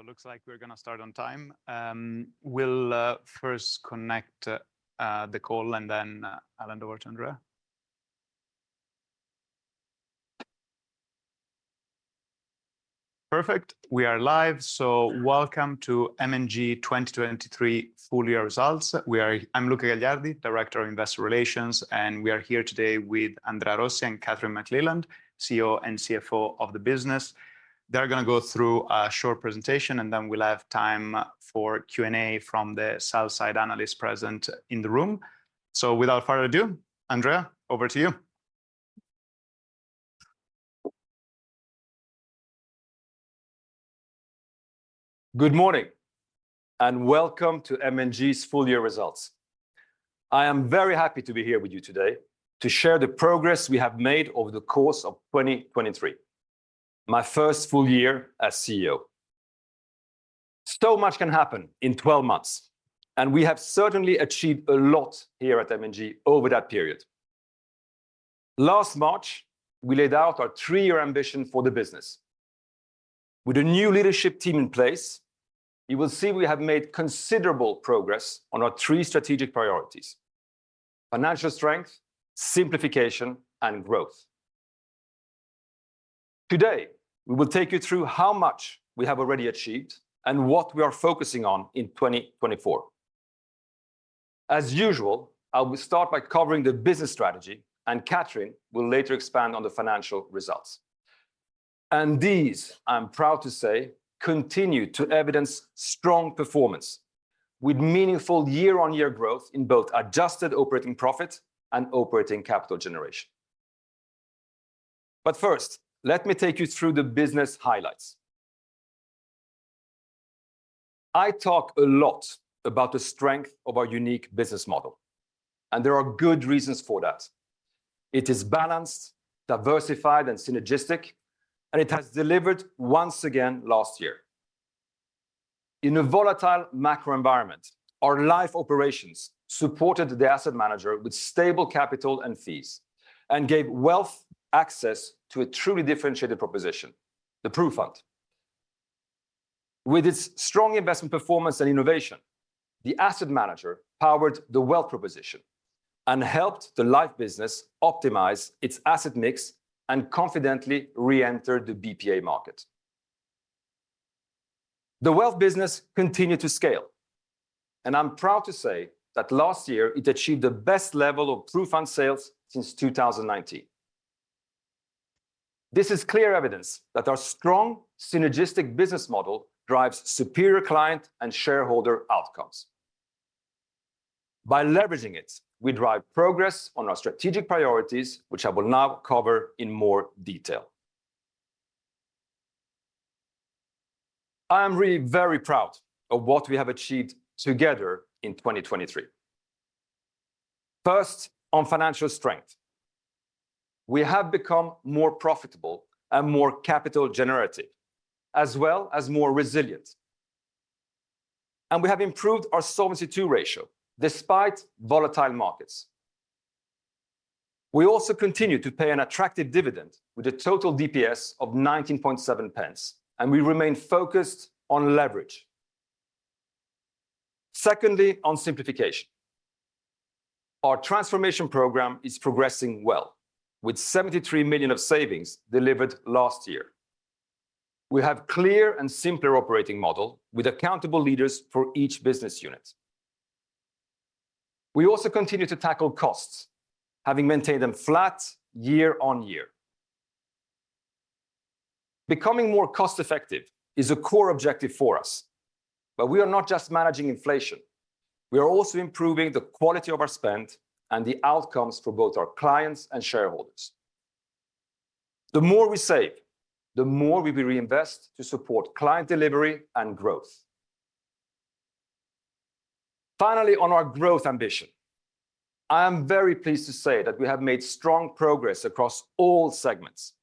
So it looks like we're gonna start on time. We'll first connect the call, and then I'll hand over to Andrea. Perfect. We are live, so welcome to M&G 2023 full year results. I'm Luca Gagliardi, Director of Investor Relations, and we are here today with Andrea Rossi and Kathryn McLeland, CEO and CFO of the business. They're gonna go through a short presentation, and then we'll have time for Q&A from the sell-side analysts present in the room. So without further ado, Andrea, over to you. Good morning, and welcome to M&G's full-year results. I am very happy to be here with you today to share the progress we have made over the course of 2023, my first full year as CEO. So much can happen in 12 months, and we have certainly achieved a lot here at M&G over that period. Last March, we laid out our three-year ambition for the business. With a new leadership team in place, you will see we have made considerable progress on our three strategic priorities: financial strength, simplification, and growth. Today, we will take you through how much we have already achieved and what we are focusing on in 2024. As usual, I will start by covering the business strategy, and Kathryn will later expand on the financial results. These, I'm proud to say, continue to evidence strong performance, with meaningful year-over-year growth in both adjusted operating profit and operating capital generation. But first, let me take you through the business highlights. I talk a lot about the strength of our unique business model, and there are good reasons for that. It is balanced, diversified, and synergistic, and it has delivered once again last year. In a volatile macro environment, our Life operations supported the asset manager with stable capital and fees, and gave wealth access to a truly differentiated proposition, the PruFund. With its strong investment performance and innovation, the asset manager powered the wealth proposition and helped the life business optimize its asset mix and confidently reenter the BPA market. The wealth business continued to scale, and I'm proud to say that last year it achieved the best level of PruFund sales since 2019. This is clear evidence that our strong, synergistic business model drives superior client and shareholder outcomes. By leveraging it, we drive progress on our strategic priorities, which I will now cover in more detail. I am really very proud of what we have achieved together in 2023. First, on financial strength. We have become more profitable and more capital generative, as well as more resilient, and we have improved our Solvency II ratio, despite volatile markets. We also continue to pay an attractive dividend, with a total DPS of 19.7 pence, and we remain focused on leverage. Secondly, on simplification. Our transformation program is progressing well, with 73 million of savings delivered last year. We have clear and simpler operating model, with accountable leaders for each business unit. We also continue to tackle costs, having maintained them flat year-on-year. Becoming more cost-effective is a core objective for us, but we are not just managing inflation. We are also improving the quality of our spend and the outcomes for both our clients and shareholders. The more we save, the more we will reinvest to support client delivery and growth. Finally, on our growth ambition, I am very pleased to say that we have made strong progress across all segments.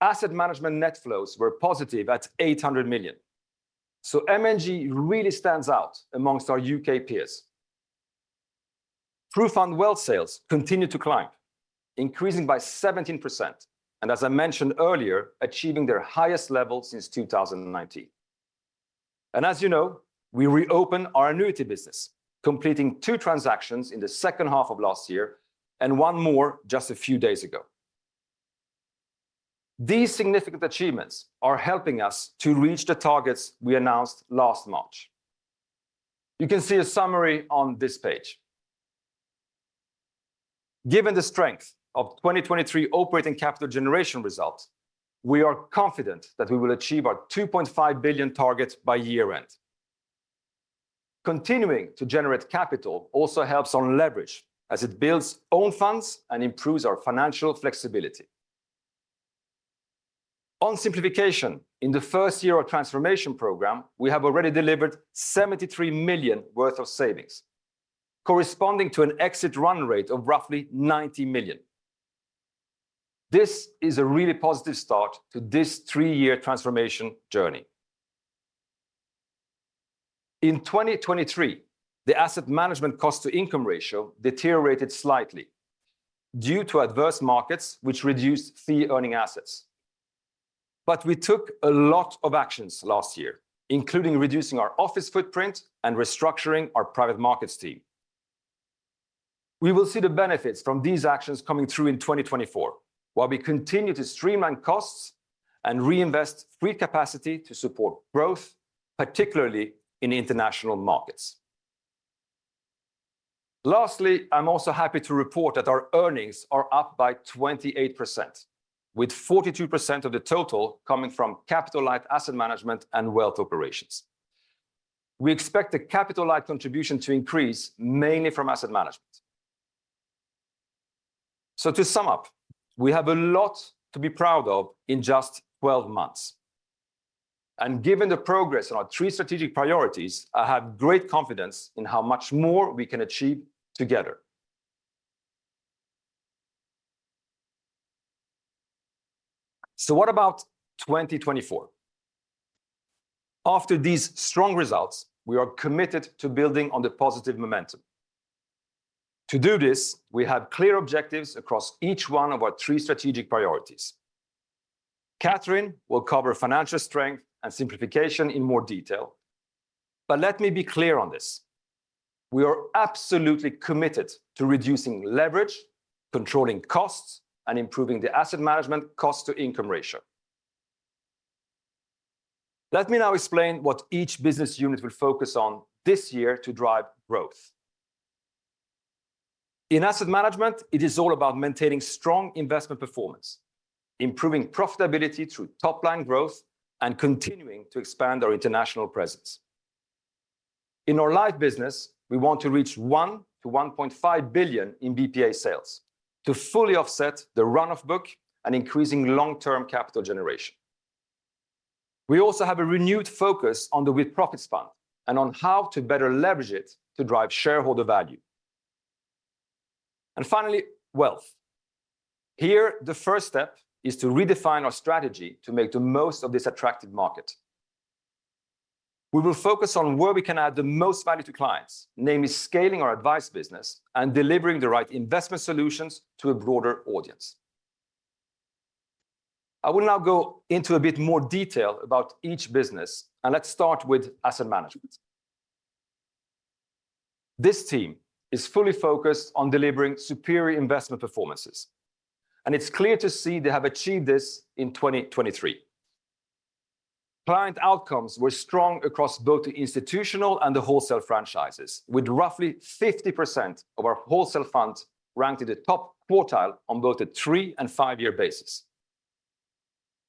Asset Management net flows were positive at 800 million, so M&G really stands out among our UK peers. PruFund Wealth sales continued to climb, increasing by 17%, and as I mentioned earlier, achieving their highest level since 2019. As you know, we reopened our annuity business, completing two transactions in the second half of last year and one more just a few days ago. These significant achievements are helping us to reach the targets we announced last March. You can see a summary on this page. Given the strength of 2023 operating capital generation results, we are confident that we will achieve our 2.5 billion targets by year end. Continuing to generate capital also helps on leverage, as it builds own funds and improves our financial flexibility. On simplification, in the first year of transformation program, we have already delivered 73 million worth of savings, corresponding to an exit run rate of roughly 90 million. This is a really positive start to this three-year transformation journey.... In 2023, the asset management cost-to-income ratio deteriorated slightly due to adverse markets, which reduced fee-earning assets. But we took a lot of actions last year, including reducing our office footprint and restructuring our private markets team. We will see the benefits from these actions coming through in 2024, while we continue to streamline costs and reinvest free capacity to support growth, particularly in international markets. Lastly, I'm also happy to report that our earnings are up by 28%, with 42% of the total coming from capital-light asset management and wealth operations. We expect the capital-light contribution to increase, mainly from asset management. So to sum up, we have a lot to be proud of in just 12 months, and given the progress on our three strategic priorities, I have great confidence in how much more we can achieve together. So what about 2024? After these strong results, we are committed to building on the positive momentum. To do this, we have clear objectives across each one of our three strategic priorities. Kathryn will cover financial strength and simplification in more detail, but let me be clear on this: we are absolutely committed to reducing leverage, controlling costs, and improving the asset management cost-to-income ratio. Let me now explain what each business unit will focus on this year to drive growth. In asset management, it is all about maintaining strong investment performance, improving profitability through top-line growth, and continuing to expand our international presence. In our life business, we want to reach 1 billion-1.5 billion in BPA sales to fully offset the run-off book and increasing long-term capital generation. We also have a renewed focus on the With-Profits Fund and on how to better leverage it to drive shareholder value. Finally, wealth. Here, the first step is to redefine our strategy to make the most of this attractive market. We will focus on where we can add the most value to clients, namely scaling our advice business and delivering the right investment solutions to a broader audience. I will now go into a bit more detail about each business, and let's start with asset management. This team is fully focused on delivering superior investment performances, and it's clear to see they have achieved this in 2023. Client outcomes were strong across both the institutional and the wholesale franchises, with roughly 50% of our wholesale funds ranked in the top quartile on both the three and five-year basis.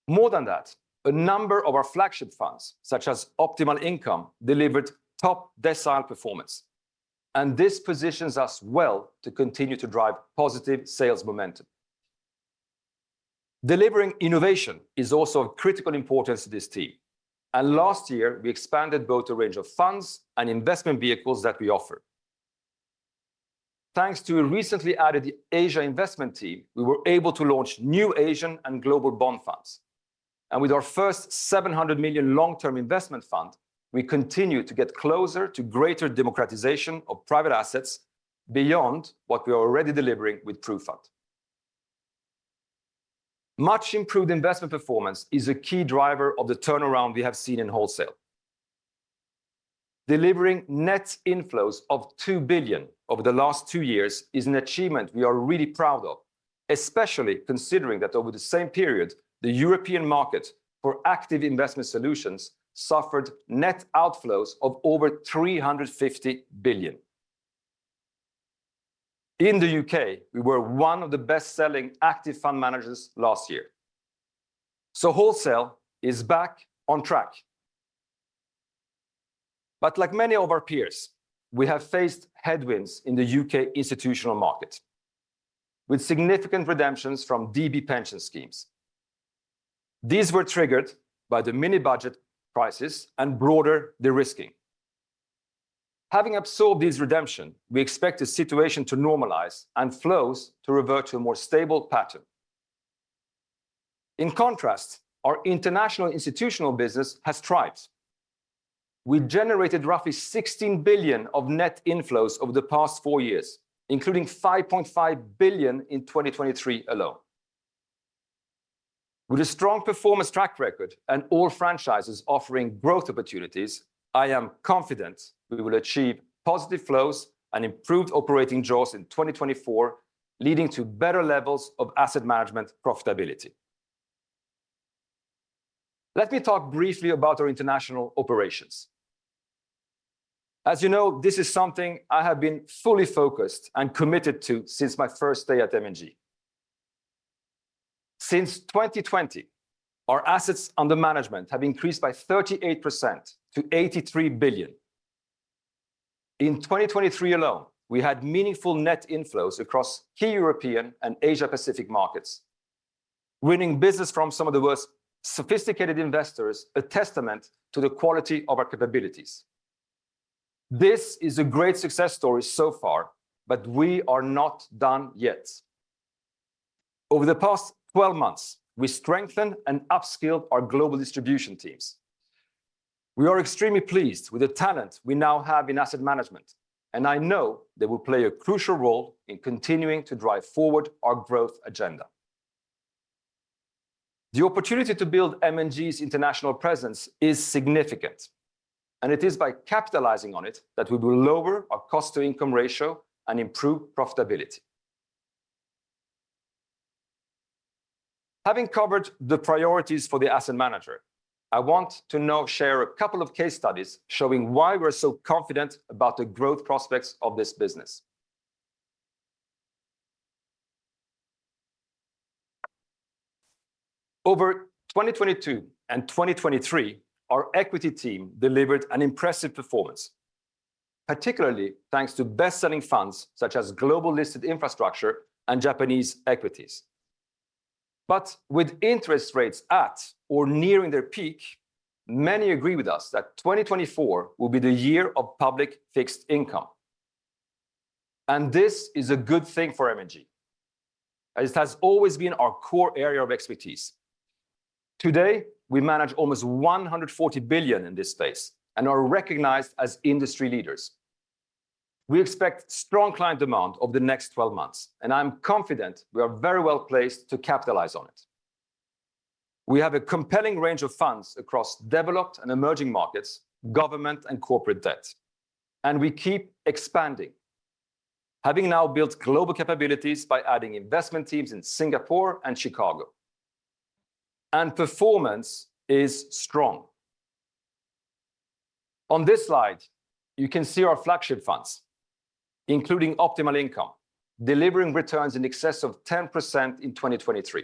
More than that, a number of our flagship funds, such as Optimal Income, delivered top decile performance, and this positions us well to continue to drive positive sales momentum. Delivering innovation is also of critical importance to this team, and last year, we expanded both the range of funds and investment vehicles that we offer. Thanks to a recently added Asia investment team, we were able to launch new Asian and global bond funds, and with our first 700 million long-term investment fund, we continue to get closer to greater democratization of private assets beyond what we are already delivering with PruFund. Much improved investment performance is a key driver of the turnaround we have seen in wholesale. Delivering net inflows of 2 billion over the last two years is an achievement we are really proud of, especially considering that over the same period, the European market for active investment solutions suffered net outflows of over 350 billion. In the U.K., we were one of the best-selling active fund managers last year, so wholesale is back on track. But like many of our peers, we have faced headwinds in the U.K. institutional market, with significant redemptions from DB pension schemes. These were triggered by the Mini Budget crisis and broader de-risking. Having absorbed this redemption, we expect the situation to normalize and flows to revert to a more stable pattern. In contrast, our international institutional business has thrived. We've generated roughly 16 billion of net inflows over the past four years, including 5.5 billion in 2023 alone. With a strong performance track record and all franchises offering growth opportunities, I am confident we will achieve positive flows and improved operating AOP in 2024, leading to better levels of asset management profitability. Let me talk briefly about our international operations. As you know, this is something I have been fully focused and committed to since my first day at M&G. Since 2020, our assets under management have increased by 38% to 83 billion. In 2023 alone, we had meaningful net inflows across key European and Asia Pacific markets, winning business from some of the world's sophisticated investors, a testament to the quality of our capabilities. This is a great success story so far, but we are not done yet. Over the past 12 months, we strengthened and upskilled our global distribution teams. We are extremely pleased with the talent we now have in asset management, and I know they will play a crucial role in continuing to drive forward our growth agenda. The opportunity to build M&G's international presence is significant, and it is by capitalizing on it that we will lower our cost-to-income ratio and improve profitability. Having covered the priorities for the asset manager, I want to now share a couple of case studies showing why we're so confident about the growth prospects of this business. Over 2022 and 2023, our equity team delivered an impressive performance, particularly thanks to best-selling funds, such as Global Listed Infrastructure and Japanese equities. But with interest rates at or nearing their peak, many agree with us that 2024 will be the year of public fixed income, and this is a good thing for M&G, as it has always been our core area of expertise. Today, we manage almost 140 billion in this space and are recognized as industry leaders. We expect strong client demand over the next 12 months, and I'm confident we are very well placed to capitalize on it. We have a compelling range of funds across developed and emerging markets, government and corporate debt, and we keep expanding, having now built global capabilities by adding investment teams in Singapore and Chicago. Performance is strong. On this slide, you can see our flagship funds, including Optimal Income, delivering returns in excess of 10% in 2023,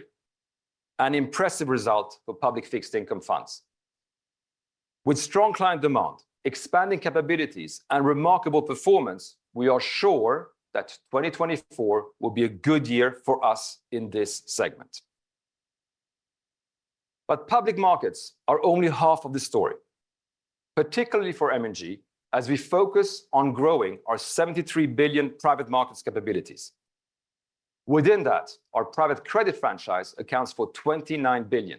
an impressive result for public fixed income funds. With strong client demand, expanding capabilities, and remarkable performance, we are sure that 2024 will be a good year for us in this segment. But public markets are only half of the story, particularly for M&G, as we focus on growing our 73 billion private markets capabilities. Within that, our private credit franchise accounts for 29 billion.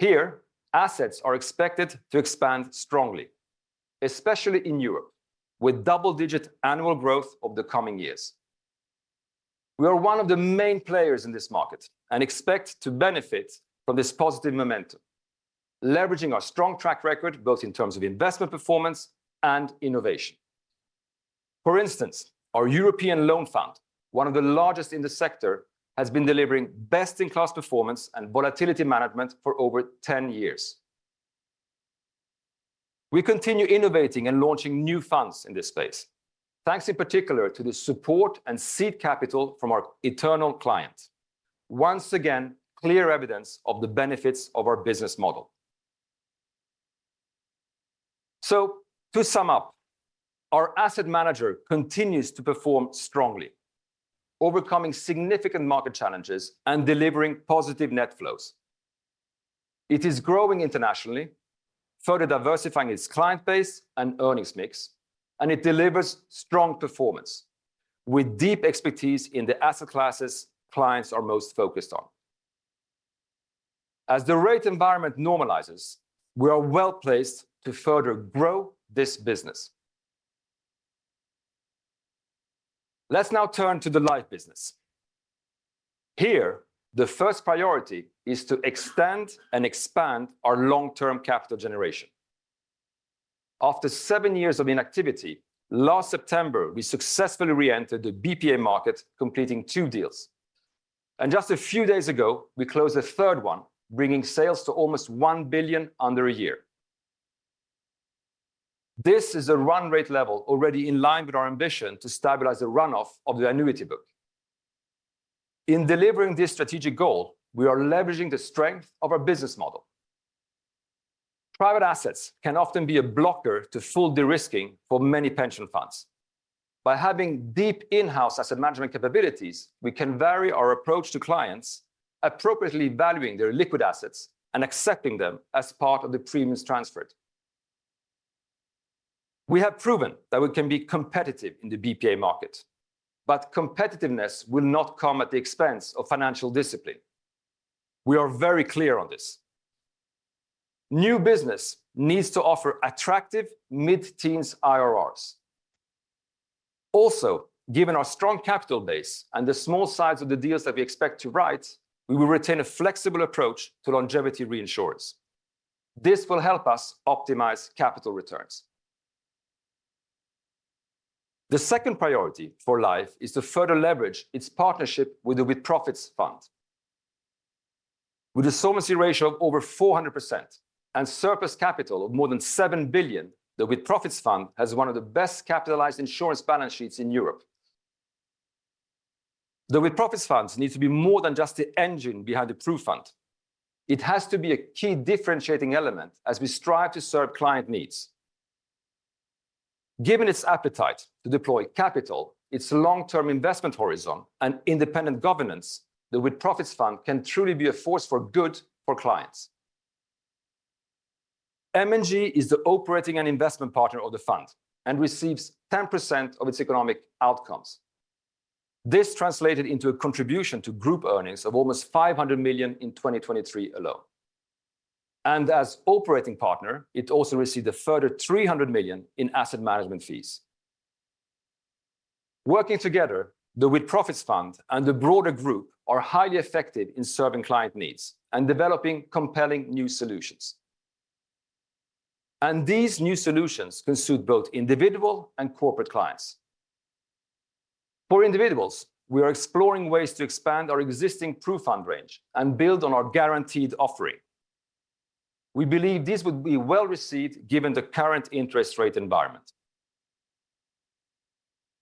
Here, assets are expected to expand strongly, especially in Europe, with double-digit annual growth over the coming years. We are one of the main players in this market and expect to benefit from this positive momentum, leveraging our strong track record, both in terms of investment performance and innovation. For instance, our European Loan Fund, one of the largest in the sector, has been delivering best-in-class performance and volatility management for over 10 years. We continue innovating and launching new funds in this space, thanks in particular to the support and seed capital from our internal clients. Once again, clear evidence of the benefits of our business model. So to sum up, our asset manager continues to perform strongly, overcoming significant market challenges and delivering positive net flows. It is growing internationally, further diversifying its client base and earnings mix, and it delivers strong performance, with deep expertise in the asset classes clients are most focused on. As the rate environment normalizes, we are well placed to further grow this business. Let's now turn to the life business. Here, the first priority is to extend and expand our long-term capital generation. After seven years of inactivity, last September, we successfully reentered the BPA market, completing two deals, and just a few days ago, we closed a third one, bringing sales to almost 1 billion under a year. This is a run rate level already in line with our ambition to stabilize the run-off of the annuity book. In delivering this strategic goal, we are leveraging the strength of our business model. Private assets can often be a blocker to full de-risking for many pension funds. By having deep in-house asset management capabilities, we can vary our approach to clients, appropriately valuing their liquid assets and accepting them as part of the premiums transferred. We have proven that we can be competitive in the BPA market, but competitiveness will not come at the expense of financial discipline. We are very clear on this. New business needs to offer attractive mid-teens IRRs. Also, given our strong capital base and the small size of the deals that we expect to write, we will retain a flexible approach to longevity reinsurers. This will help us optimize capital returns. The second priority for life is to further leverage its partnership with the With-Profits Fund. With a solvency ratio of over 400% and surplus capital of more than 7 billion, the With-Profits Fund has one of the best capitalized insurance balance sheets in Europe. The With-Profits Fund needs to be more than just the engine behind the PruFund. It has to be a key differentiating element as we strive to serve client needs. Given its appetite to deploy capital, its long-term investment horizon, and independent governance, the With-Profits Fund can truly be a force for good for clients... M&G is the operating and investment partner of the fund, and receives 10% of its economic outcomes. This translated into a contribution to group earnings of almost 500 million in 2023 alone. As operating partner, it also received a further 300 million in asset management fees. Working together, the With-Profits Fund and the broader group are highly effective in serving client needs and developing compelling new solutions. These new solutions can suit both individual and corporate clients. For individuals, we are exploring ways to expand our existing PruFund range and build on our guaranteed offering. We believe this would be well-received, given the current interest rate environment.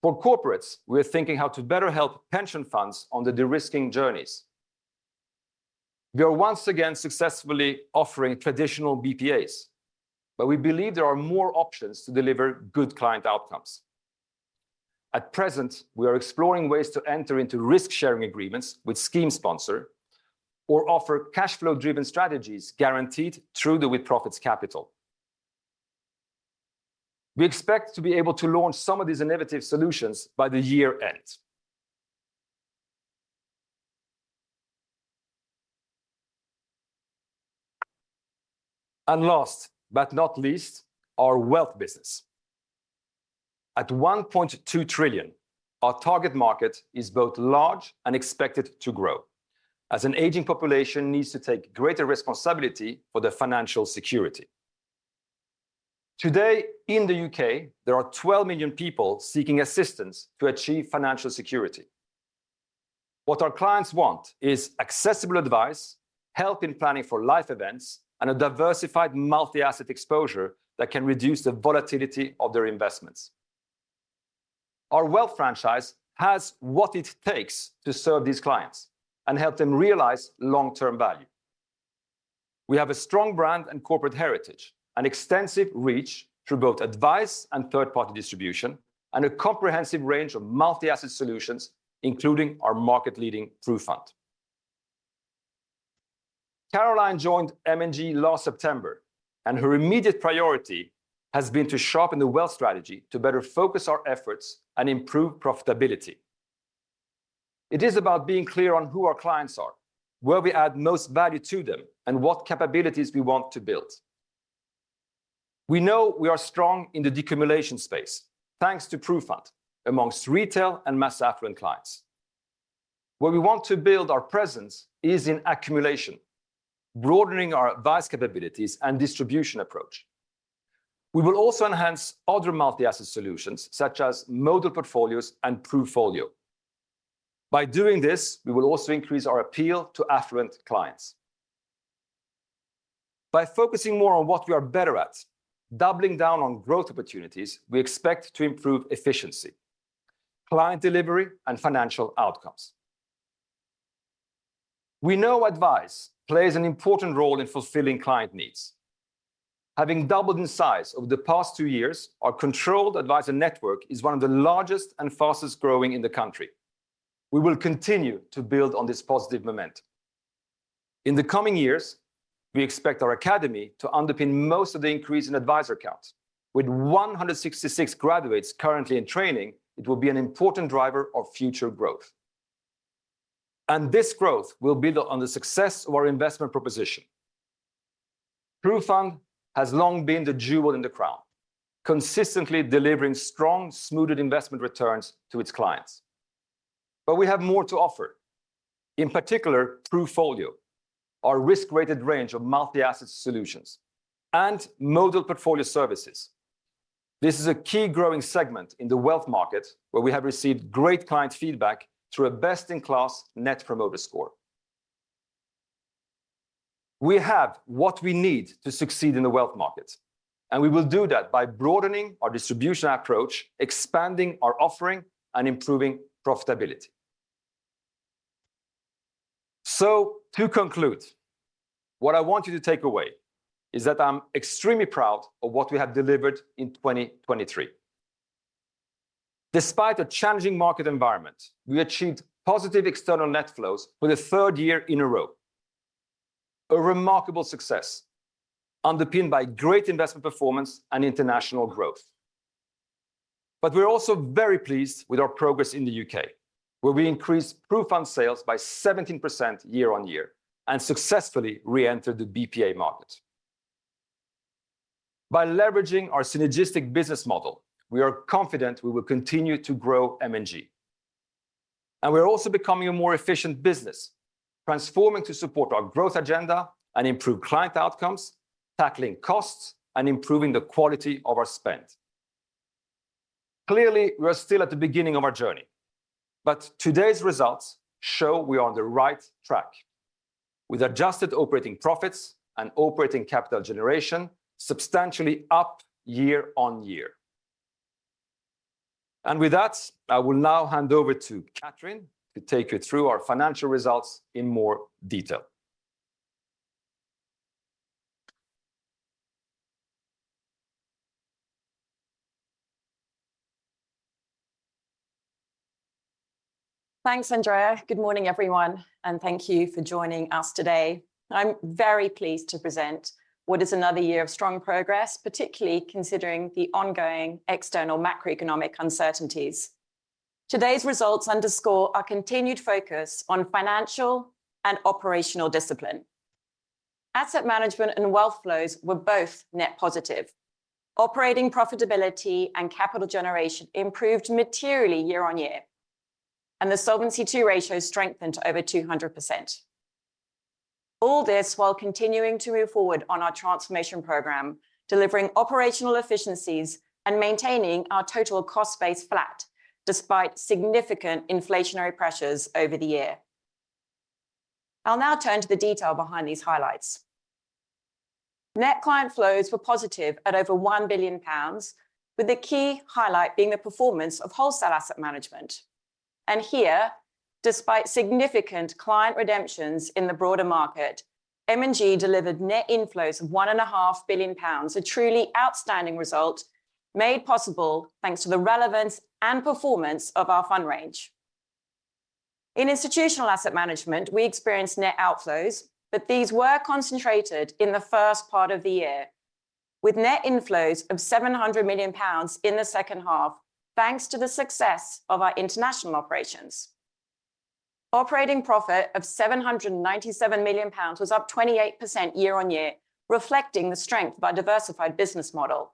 For corporates, we're thinking how to better help pension funds on the de-risking journeys. We are once again successfully offering traditional BPAs, but we believe there are more options to deliver good client outcomes. At present, we are exploring ways to enter into risk-sharing agreements with scheme sponsor or offer cash flow-driven strategies guaranteed through the With-Profits capital. We expect to be able to launch some of these innovative solutions by the year-end. And last but not least, our wealth business. At 1.2 trillion, our target market is both large and expected to grow, as an aging population needs to take greater responsibility for their financial security. Today, in the UK, there are 12 million people seeking assistance to achieve financial security. What our clients want is accessible advice, help in planning for life events, and a diversified multi-asset exposure that can reduce the volatility of their investments. Our wealth franchise has what it takes to serve these clients and help them realize long-term value. We have a strong brand and corporate heritage, an extensive reach through both advice and third-party distribution, and a comprehensive range of multi-asset solutions, including our market-leading PruFund. Caroline joined M&G last September, and her immediate priority has been to sharpen the wealth strategy to better focus our efforts and improve profitability. It is about being clear on who our clients are, where we add most value to them, and what capabilities we want to build. We know we are strong in the decumulation space, thanks to PruFund, amongst retail and mass affluent clients. Where we want to build our presence is in accumulation, broadening our advice capabilities and distribution approach. We will also enhance other multi-asset solutions, such as model portfolios and PruFolio. By doing this, we will also increase our appeal to affluent clients. By focusing more on what we are better at, doubling down on growth opportunities, we expect to improve efficiency, client delivery, and financial outcomes. We know advice plays an important role in fulfilling client needs. Having doubled in size over the past two years, our controlled advisor network is one of the largest and fastest growing in the country. We will continue to build on this positive momentum. In the coming years, we expect our academy to underpin most of the increase in advisor counts. With 166 graduates currently in training, it will be an important driver of future growth. And this growth will build on the success of our investment proposition. PruFund has long been the jewel in the crown, consistently delivering strong, smoothed investment returns to its clients. But we have more to offer, in particular, PruFolio, our risk-rated range of multi-asset solutions and model portfolio services. This is a key growing segment in the wealth market, where we have received great client feedback through a best-in-class Net Promoter Score. We have what we need to succeed in the wealth market, and we will do that by broadening our distribution approach, expanding our offering, and improving profitability. So to conclude, what I want you to take away is that I'm extremely proud of what we have delivered in 2023. Despite a challenging market environment, we achieved positive external net flows for the third year in a row, a remarkable success underpinned by great investment performance and international growth. But we're also very pleased with our progress in the UK, where we increased PruFund sales by 17% year-on-year and successfully reentered the BPA market. By leveraging our synergistic business model, we are confident we will continue to grow M&G. And we're also becoming a more efficient business, transforming to support our growth agenda and improve client outcomes, tackling costs, and improving the quality of our spend. Clearly, we are still at the beginning of our journey, but today's results show we are on the right track, with adjusted operating profits and operating capital generation substantially up year-on-year. With that, I will now hand over to Kathryn to take you through our financial results in more detail.... Thanks, Andrea. Good morning, everyone, and thank you for joining us today. I'm very pleased to present what is another year of strong progress, particularly considering the ongoing external macroeconomic uncertainties. Today's results underscore our continued focus on financial and operational discipline. Asset management and wealth flows were both net positive. Operating profitability and capital generation improved materially year-on-year, and the Solvency II ratio strengthened to over 200%. All this while continuing to move forward on our transformation program, delivering operational efficiencies and maintaining our total cost base flat, despite significant inflationary pressures over the year. I'll now turn to the detail behind these highlights. Net client flows were positive at over 1 billion pounds, with the key highlight being the performance of wholesale asset management. And here, despite significant client redemptions in the broader market, M&G delivered net inflows of 1.5 billion pounds, a truly outstanding result made possible thanks to the relevance and performance of our fund range. In institutional asset management, we experienced net outflows, but these were concentrated in the first part of the year, with net inflows of 700 million pounds in the second half, thanks to the success of our international operations. Operating profit of 797 million pounds was up 28% year-on-year, reflecting the strength of our diversified business model.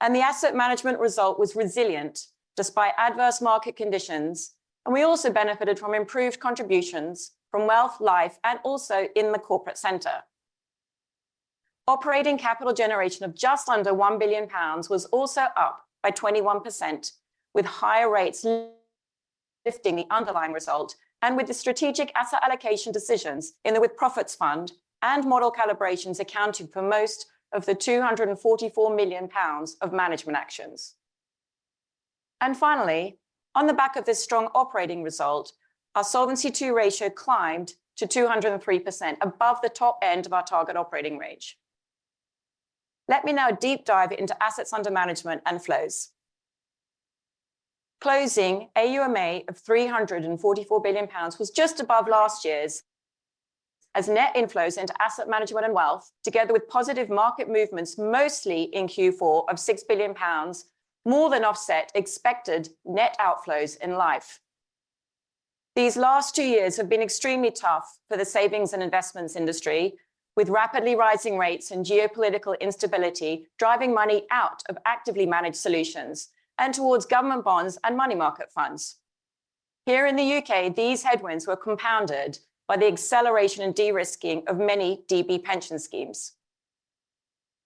And the asset management result was resilient despite adverse market conditions, and we also benefited from improved contributions from wealth, life, and also in the corporate center. Operating capital generation of just under 1 billion pounds was also up by 21%, with higher rates lifting the underlying result, and with the strategic asset allocation decisions in the with-profits fund and model calibrations accounting for most of the 244 million pounds of management actions. Finally, on the back of this strong operating result, our Solvency II ratio climbed to 203%, above the top end of our target operating range. Let me now deep dive into assets under management and flows. Closing AUMA of 344 billion pounds was just above last year's, as net inflows into asset management and wealth, together with positive market movements, mostly in Q4 of 6 billion pounds, more than offset expected net outflows in life. These last two years have been extremely tough for the savings and investments industry, with rapidly rising rates and geopolitical instability driving money out of actively managed solutions and towards government bonds and money market funds. Here in the U.K., these headwinds were compounded by the acceleration and de-risking of many DB pension schemes.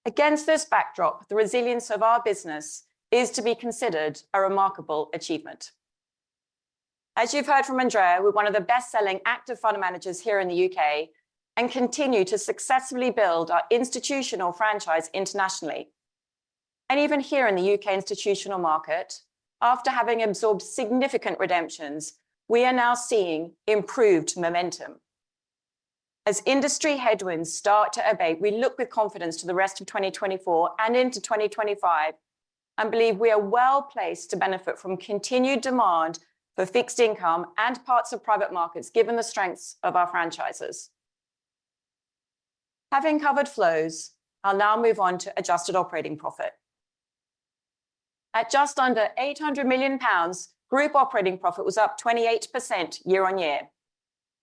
Against this backdrop, the resilience of our business is to be considered a remarkable achievement. As you've heard from Andrea, we're one of the best-selling active fund managers here in the U.K. and continue to successfully build our institutional franchise internationally. Even here in the U.K. institutional market, after having absorbed significant redemptions, we are now seeing improved momentum. As industry headwinds start to abate, we look with confidence to the rest of 2024 and into 2025, and believe we are well-placed to benefit from continued demand for fixed income and parts of private markets, given the strengths of our franchises. Having covered flows, I'll now move on to adjusted operating profit. At just under 800 million pounds, group operating profit was up 28% year-on-year.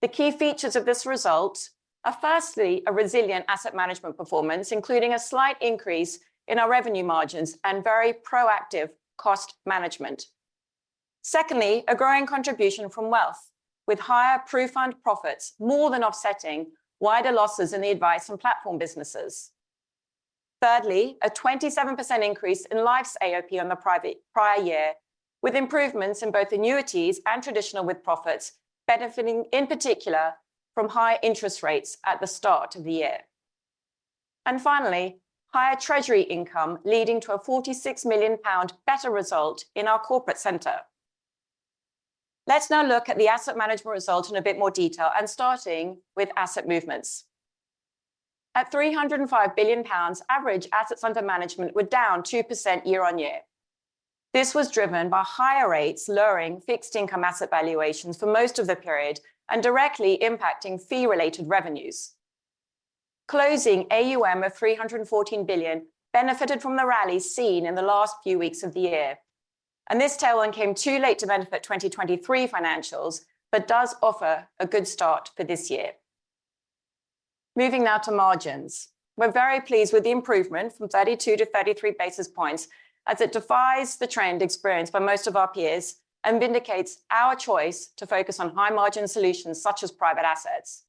The key features of this result are, firstly, a resilient asset management performance, including a slight increase in our revenue margins and very proactive cost management. Secondly, a growing contribution from wealth, with higher PruFund profits more than offsetting wider losses in the advice and platform businesses. Thirdly, a 27% increase in life's AOP over the prior year, with improvements in both annuities and traditional with-profits benefiting in particular from higher interest rates at the start of the year. And finally, higher treasury income, leading to a 46 million pound better result in our corporate center. Let's now look at the asset management result in a bit more detail, and starting with asset movements. At 305 billion pounds, average assets under management were down 2% year-on-year. This was driven by higher rates, lowering fixed income asset valuations for most of the period, and directly impacting fee-related revenues. Closing AUM of 314 billion benefited from the rally seen in the last few weeks of the year, and this tailwind came too late to benefit 2023 financials, but does offer a good start for this year. Moving now to margins. We're very pleased with the improvement from 32-33 basis points, as it defies the trend experienced by most of our peers and vindicates our choice to focus on high-margin solutions such as private assets.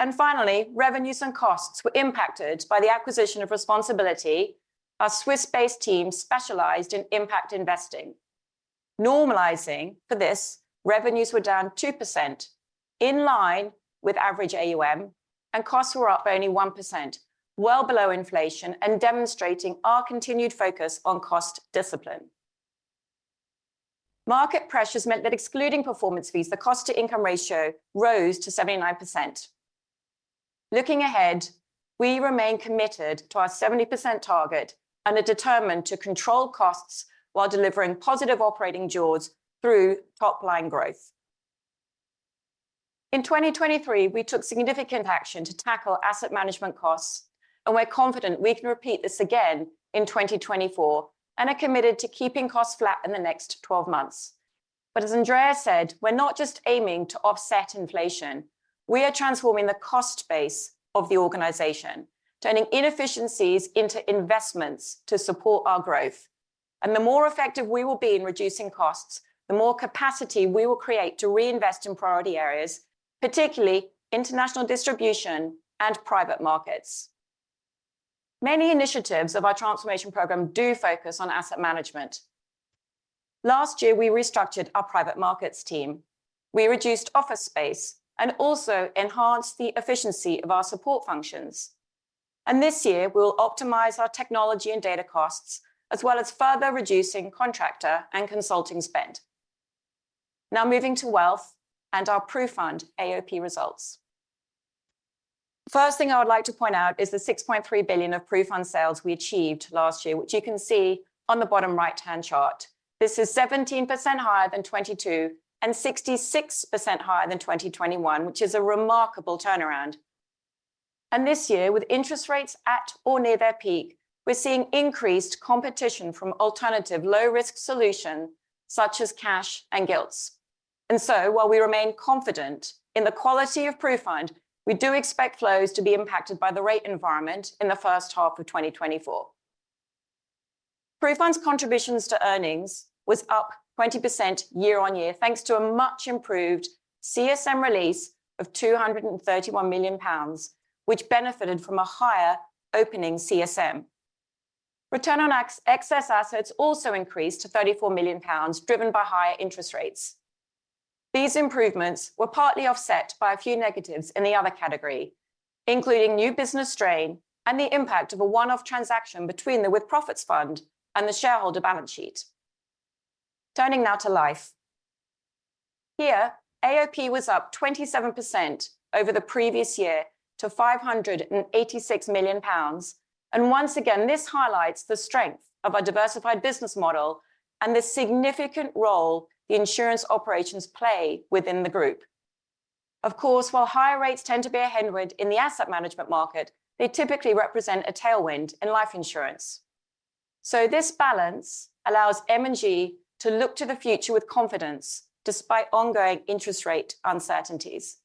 And finally, revenues and costs were impacted by the acquisition of responsAbility, our Swiss-based team specialized in impact investing. Normalizing for this, revenues were down 2%, in line with average AUM, and costs were up by only 1%, well below inflation and demonstrating our continued focus on cost discipline. Market pressures meant that excluding performance fees, the cost-to-income ratio rose to 79%. Looking ahead, we remain committed to our 70% target and are determined to control costs while delivering positive operating jaws through top line growth. In 2023, we took significant action to tackle asset management costs, and we're confident we can repeat this again in 2024, and are committed to keeping costs flat in the next 12 months. But as Andrea said, we're not just aiming to offset inflation, we are transforming the cost base of the organization, turning inefficiencies into investments to support our growth. The more effective we will be in reducing costs, the more capacity we will create to reinvest in priority areas, particularly international distribution and private markets. Many initiatives of our transformation program do focus on asset management. Last year, we restructured our private markets team. We reduced office space and also enhanced the efficiency of our support functions, and this year, we'll optimize our technology and data costs, as well as further reducing contractor and consulting spend. Now moving to wealth and our PruFund AOP results. First thing I would like to point out is the 6.3 billion of PruFund sales we achieved last year, which you can see on the bottom right-hand chart. This is 17% higher than 2022, and 66% higher than 2021, which is a remarkable turnaround. This year, with interest rates at or near their peak, we're seeing increased competition from alternative low-risk solution, such as cash and gilts. So while we remain confident in the quality of PruFund, we do expect flows to be impacted by the rate environment in the first half of 2024. PruFund's contributions to earnings was up 20% year-over-year, thanks to a much improved CSM release of 231 million pounds, which benefited from a higher opening CSM. Return on excess assets also increased to 34 million pounds, driven by higher interest rates. These improvements were partly offset by a few negatives in the other category, including new business strain and the impact of a one-off transaction between the with-profits fund and the shareholder balance sheet. Turning now to life. Here, AOP was up 27% over the previous year to 586 million pounds, and once again, this highlights the strength of our diversified business model and the significant role the insurance operations play within the group. Of course, while higher rates tend to be a headwind in the asset management market, they typically represent a tailwind in life insurance. So this balance allows M&G to look to the future with confidence, despite ongoing interest rate uncertainties.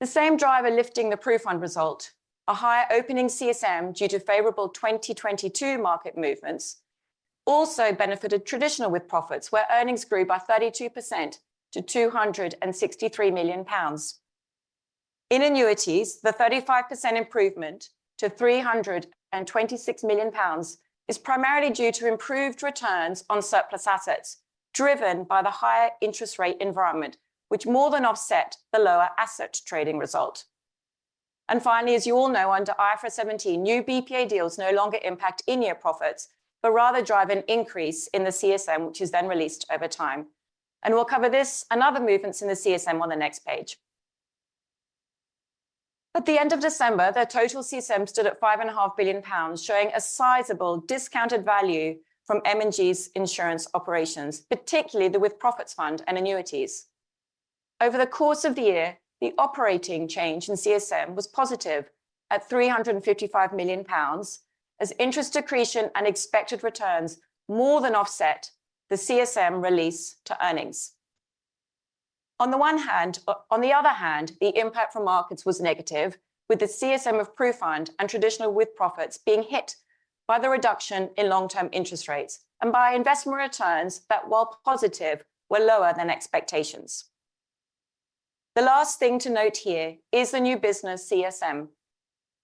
The same driver lifting the PruFund result, a higher opening CSM due to favorable 2022 market movements, also benefited traditional with-profits, where earnings grew by 32% to 263 million pounds. In annuities, the 35% improvement to 326 million pounds is primarily due to improved returns on surplus assets, driven by the higher interest rate environment, which more than offset the lower asset trading result. And finally, as you all know, under IFRS 17, new BPA deals no longer impact in-year profits, but rather drive an increase in the CSM, which is then released over time. We'll cover this and other movements in the CSM on the next page. At the end of December, the total CSM stood at 5.5 billion pounds, showing a sizable discounted value from M&G's insurance operations, particularly the with-profits fund and annuities. Over the course of the year, the operating change in CSM was positive at 355 million pounds, as interest accretion and expected returns more than offset the CSM release to earnings. On the one hand... on the other hand, the impact from markets was negative, with the CSM of PruFund and traditional with-profits being hit by the reduction in long-term interest rates, and by investment returns that, while positive, were lower than expectations. The last thing to note here is the new business CSM.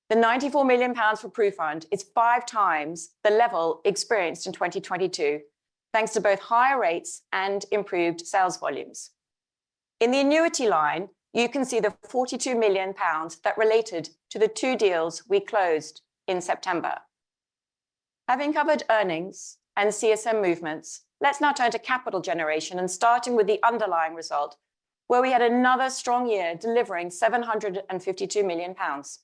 The 94 million pounds for PruFund is five times the level experienced in 2022, thanks to both higher rates and improved sales volumes. In the annuity line, you can see the 42 million pounds that related to the two deals we closed in September. Having covered earnings and CSM movements, let's now turn to capital generation, and starting with the underlying result, where we had another strong year, delivering 752 million pounds.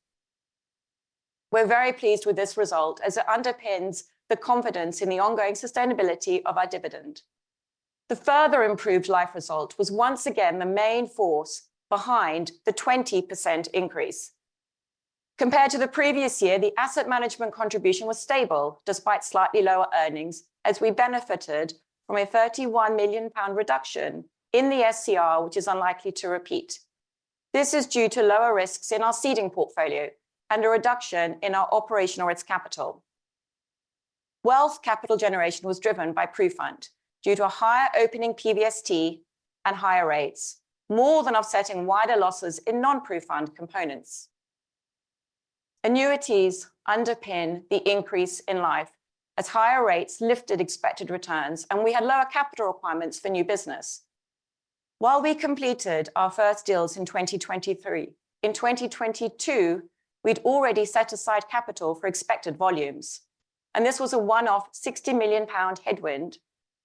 We're very pleased with this result, as it underpins the confidence in the ongoing sustainability of our dividend. The further improved life result was once again the main force behind the 20% increase. Compared to the previous year, the asset management contribution was stable, despite slightly lower earnings, as we benefited from a 31 million pound reduction in the SCR, which is unlikely to repeat. This is due to lower risks in our seeding portfolio and a reduction in our operational risk capital. Wealth capital generation was driven by PruFund, due to a higher opening PVST and higher rates, more than offsetting wider losses in non-PruFund components. Annuities underpin the increase in life, as higher rates lifted expected returns, and we had lower capital requirements for new business. While we completed our first deals in 2023, in 2022, we'd already set aside capital for expected volumes… and this was a one-off 60 million pound headwind,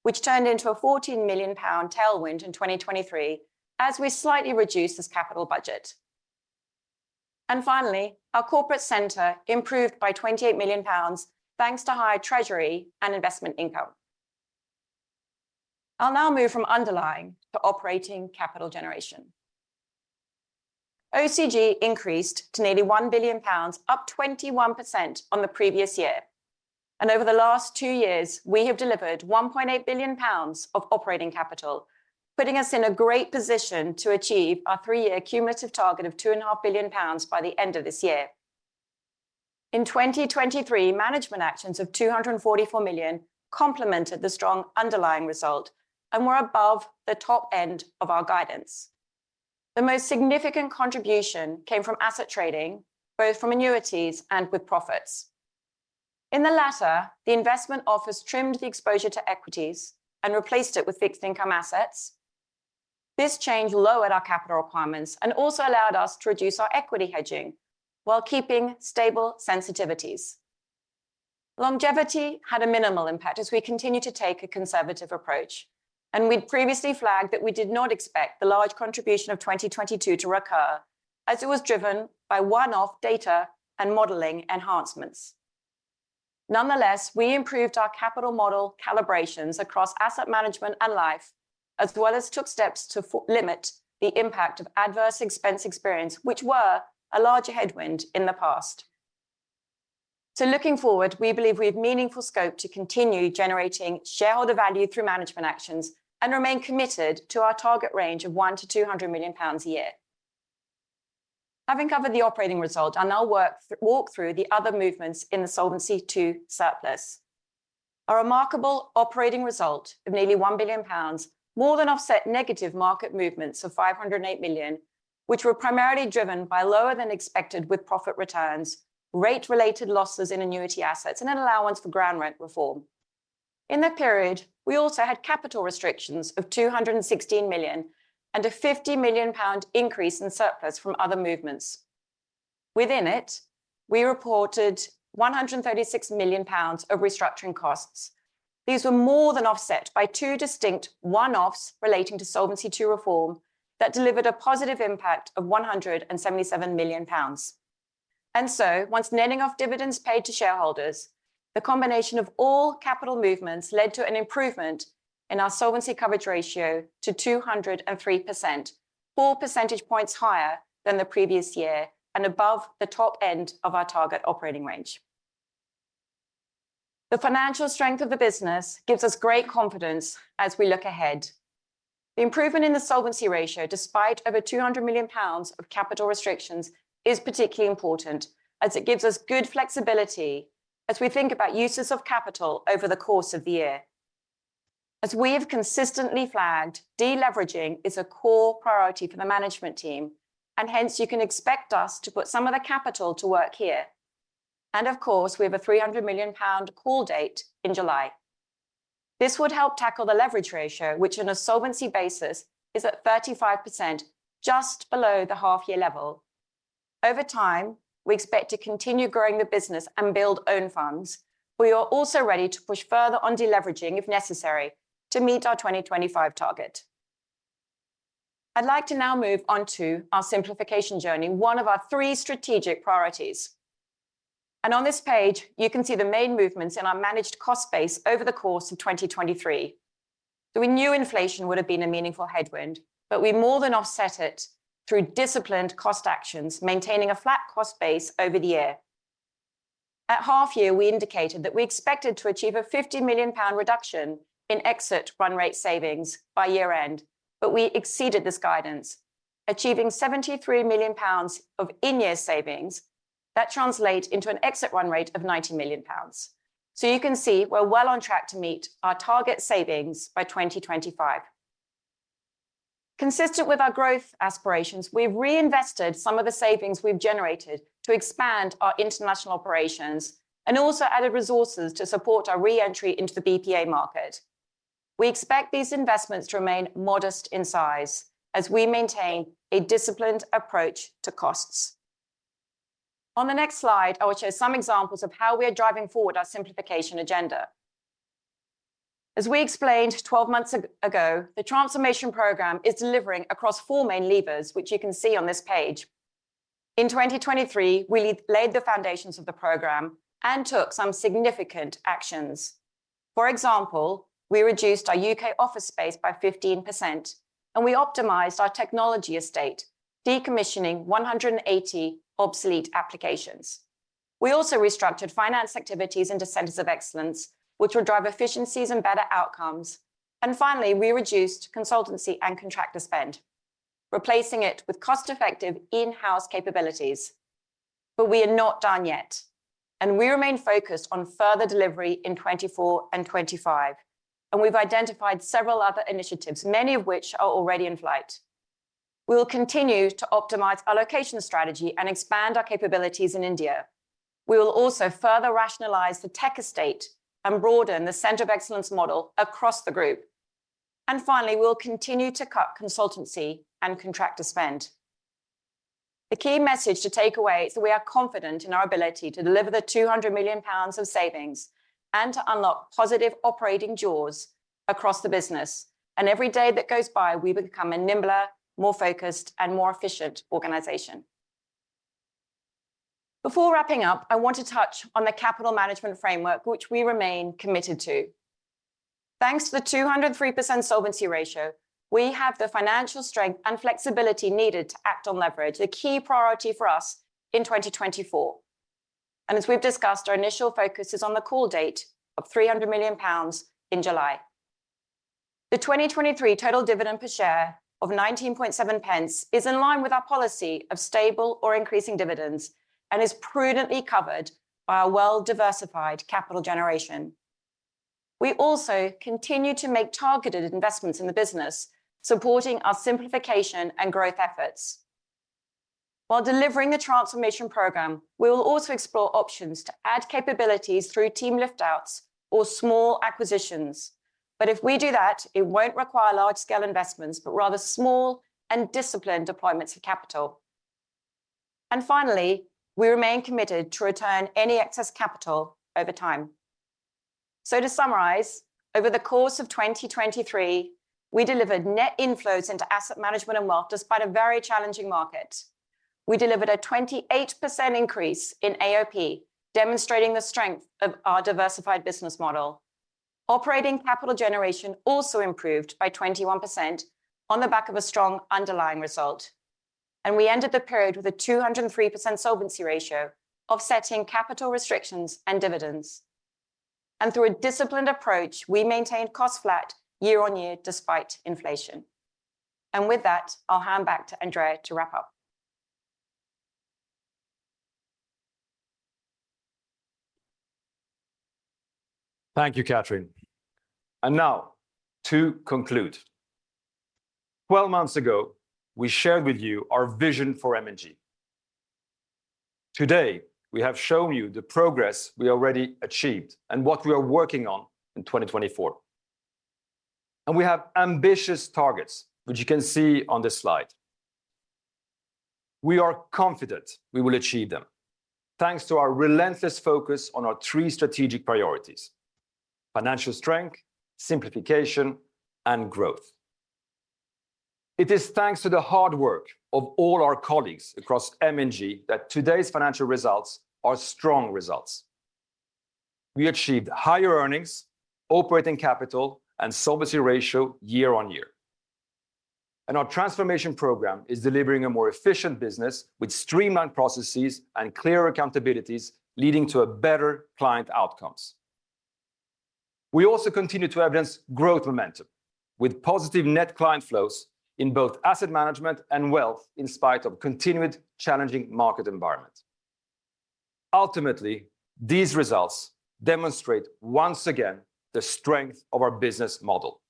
which turned into a 14 million pound tailwind in 2023, as we slightly reduced this capital budget. Finally, our corporate center improved by 28 million pounds, thanks to higher treasury and investment income. I'll now move from underlying to operating capital generation. OCG increased to nearly 1 billion pounds, up 21% on the previous year, and over the last two years, we have delivered 1.8 billion pounds of operating capital, putting us in a great position to achieve our three-year cumulative target of 2.5 billion pounds by the end of this year. In 2023, management actions of 244 million complemented the strong underlying result and were above the top end of our guidance. The most significant contribution came from asset trading, both from annuities and With-profits. In the latter, the investment office trimmed the exposure to equities and replaced it with fixed income assets. This change lowered our capital requirements and also allowed us to reduce our equity hedging while keeping stable sensitivities. Longevity had a minimal impact, as we continued to take a conservative approach, and we'd previously flagged that we did not expect the large contribution of 2022 to recur, as it was driven by one-off data and modeling enhancements. Nonetheless, we improved our capital model calibrations across asset management and life, as well as took steps to limit the impact of adverse expense experience, which were a larger headwind in the past. So looking forward, we believe we have meaningful scope to continue generating shareholder value through management actions and remain committed to our target range of 1 million-200 million pounds a year. Having covered the operating result, I'll now walk through the other movements in the Solvency II surplus. Our remarkable operating result of nearly 1 billion pounds more than offset negative market movements of 508 million, which were primarily driven by lower than expected with profit returns, rate-related losses in annuity assets, and an allowance for ground rent reform. In that period, we also had capital restrictions of 216 million and a 50 million pound increase in surplus from other movements. Within it, we reported 136 million pounds of restructuring costs. These were more than offset by two distinct one-offs relating to Solvency II reform that delivered a positive impact of 177 million pounds. And so, once netting off dividends paid to shareholders, the combination of all capital movements led to an improvement in our solvency coverage ratio to 203%, four percentage points higher than the previous year and above the top end of our target operating range. The financial strength of the business gives us great confidence as we look ahead. The improvement in the solvency ratio, despite over 200 million pounds of capital restrictions, is particularly important, as it gives us good flexibility as we think about uses of capital over the course of the year. As we have consistently flagged, deleveraging is a core priority for the management team, and hence, you can expect us to put some of the capital to work here, and of course, we have a 300 million pound call date in July. This would help tackle the leverage ratio, which on a solvency basis is at 35%, just below the half-year level. Over time, we expect to continue growing the business and build own funds. We are also ready to push further on deleveraging, if necessary, to meet our 2025 target. I'd like to now move on to our simplification journey, one of our three strategic priorities. On this page, you can see the main movements in our managed cost base over the course of 2023. We knew inflation would have been a meaningful headwind, but we more than offset it through disciplined cost actions, maintaining a flat cost base over the year. At half year, we indicated that we expected to achieve a 50 million pound reduction in exit run rate savings by year-end, but we exceeded this guidance, achieving 73 million pounds of in-year savings that translate into an exit run rate of 90 million pounds. You can see we're well on track to meet our target savings by 2025. Consistent with our growth aspirations, we've reinvested some of the savings we've generated to expand our international operations and also added resources to support our re-entry into the BPA market. We expect these investments to remain modest in size as we maintain a disciplined approach to costs. On the next slide, I will show some examples of how we are driving forward our simplification agenda. As we explained 12 months ago, the transformation program is delivering across four main levers, which you can see on this page. In 2023, we laid the foundations of the program and took some significant actions. For example, we reduced our UK office space by 15%, and we optimized our technology estate, decommissioning 180 obsolete applications. We also restructured finance activities into centers of excellence, which will drive efficiencies and better outcomes. And finally, we reduced consultancy and contractor spend, replacing it with cost-effective in-house capabilities. But we are not done yet, and we remain focused on further delivery in 2024 and 2025, and we've identified several other initiatives, many of which are already in flight. We will continue to optimize our location strategy and expand our capabilities in India. We will also further rationalize the tech estate and broaden the center of excellence model across the group. And finally, we'll continue to cut consultancy and contractor spend. The key message to take away is we are confident in our ability to deliver 200 million pounds of savings, and to unlock positive operating jaws across the business. Every day that goes by, we become a nimbler, more focused, and more efficient organization. Before wrapping up, I want to touch on the capital management framework, which we remain committed to. Thanks to the 203% solvency ratio, we have the financial strength and flexibility needed to act on leverage, a key priority for us in 2024. As we've discussed, our initial focus is on the call date of 300 million pounds in July. The 2023 total dividend per share of 19.7 pence is in line with our policy of stable or increasing dividends, and is prudently covered by our well-diversified capital generation. We also continue to make targeted investments in the business, supporting our simplification and growth efforts. While delivering the transformation program, we will also explore options to add capabilities through team lift-outs or small acquisitions. But if we do that, it won't require large scale investments, but rather small and disciplined deployments of capital. Finally, we remain committed to return any excess capital over time. To summarize, over the course of 2023, we delivered net inflows into asset management and wealth, despite a very challenging market. We delivered a 28% increase in AOP, demonstrating the strength of our diversified business model. Operating capital generation also improved by 21% on the back of a strong underlying result, and we ended the period with a 203% solvency ratio, offsetting capital restrictions and dividends. Through a disciplined approach, we maintained cost flat year on year, despite inflation. With that, I'll hand back to Andrea to wrap up. Thank you, Kathryn. Now, to conclude, 12 months ago, we shared with you our vision for M&G. Today, we have shown you the progress we already achieved and what we are working on in 2024. We have ambitious targets, which you can see on this slide. We are confident we will achieve them, thanks to our relentless focus on our three strategic priorities: financial strength, simplification, and growth. It is thanks to the hard work of all our colleagues across M&G, that today's financial results are strong results. We achieved higher earnings, operating capital, and solvency ratio year on year. Our transformation program is delivering a more efficient business with streamlined processes and clear accountabilities, leading to a better client outcomes. We also continue to evidence growth momentum, with positive net client flows in both asset management and wealth, in spite of continued challenging market environment. Ultimately, these results demonstrate, once again, the strength of our business model.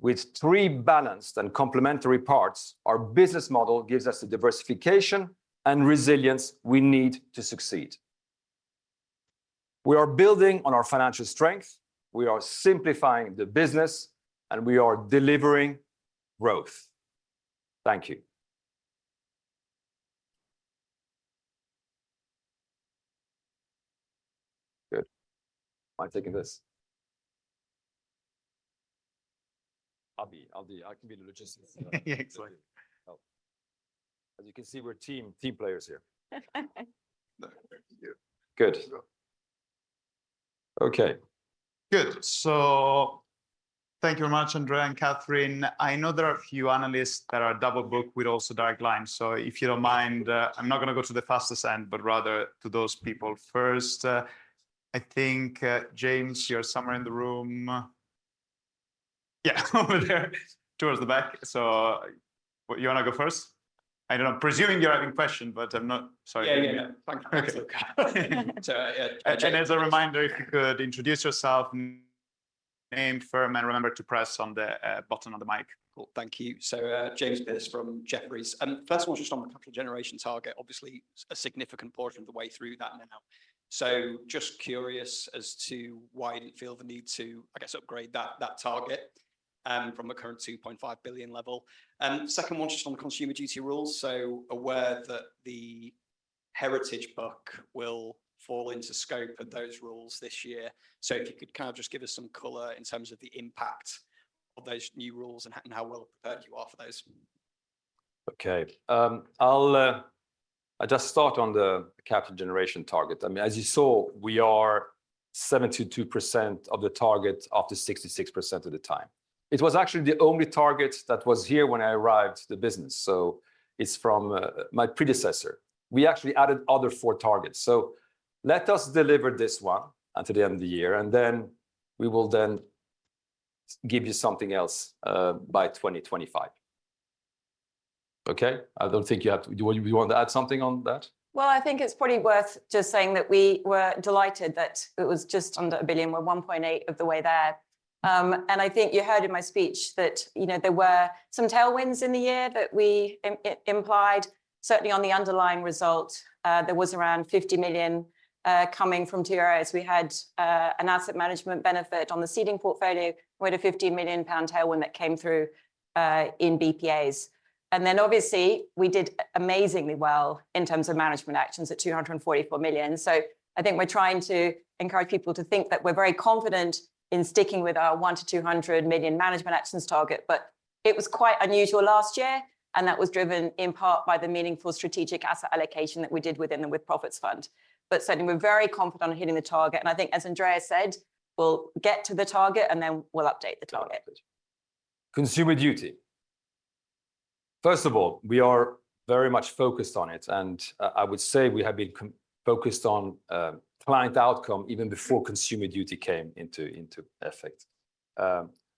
With three balanced and complementary parts, our business model gives us the diversification and resilience we need to succeed. We are building on our financial strength, we are simplifying the business, and we are delivering growth. Thank you. Good. Am I taking this? I'll be, I'll be... I can be the logistics. Exactly. Oh, as you can see, we're team, team players here. Thank you. Good. Okay, good. So thank you very much, Andrea and Kathryn. I know there are a few analysts that are double booked with also dial-in lines. So if you don't mind, I'm not gonna go to the farthest end, but rather to those people first. I think, James, you're somewhere in the room. Yeah, over there, towards the back. So, you wanna go first? I don't know. I'm presuming you have a question, but I'm not... Sorry. Yeah, yeah, yeah. Thanks. So, James- As a reminder, if you could introduce yourself, name, firm, and remember to press on the button on the mic. Cool. Thank you. So, James Pearce from Jefferies, and first of all, just on the capital generation target, obviously, a significant portion of the way through that now. So just curious as to why you didn't feel the need to, I guess, upgrade that, that target, from a current 2.5 billion level. Second one, just on the consumer duty rules. So aware that the heritage book will fall into scope of those rules this year. So if you could kind of just give us some color in terms of the impact of those new rules and how, and how well prepared you are for those. Okay. I'll just start on the capital generation target. I mean, as you saw, we are 72% of the target after 66% of the time. It was actually the only target that was here when I arrived to the business, so it's from my predecessor. We actually added other four targets. So let us deliver this one until the end of the year, and then we will then give you something else by 2025. Okay? I don't think you have to... Do you want to add something on that? Well, I think it's probably worth just saying that we were delighted that it was just under 1 billion. We're 1.8 of the way there. And I think you heard in my speech that, you know, there were some tailwinds in the year that it implied. Certainly on the underlying result, there was around 50 million coming from TRAs. We had an asset management benefit on the seeding portfolio, where the 50 million pound tailwind that came through in BPAs, and then obviously, we did amazingly well in terms of management actions at 244 million. So I think we're trying to encourage people to think that we're very confident in sticking with our 100 million-200 million management actions target. It was quite unusual last year, and that was driven in part by the meaningful strategic asset allocation that we did within the With-Profits Fund. Certainly, we're very confident on hitting the target, and I think as Andrea said, we'll get to the target, and then we'll update the target. Consumer Duty. First of all, we are very much focused on it, and I would say we have been focused on client outcome even before Consumer Duty came into effect.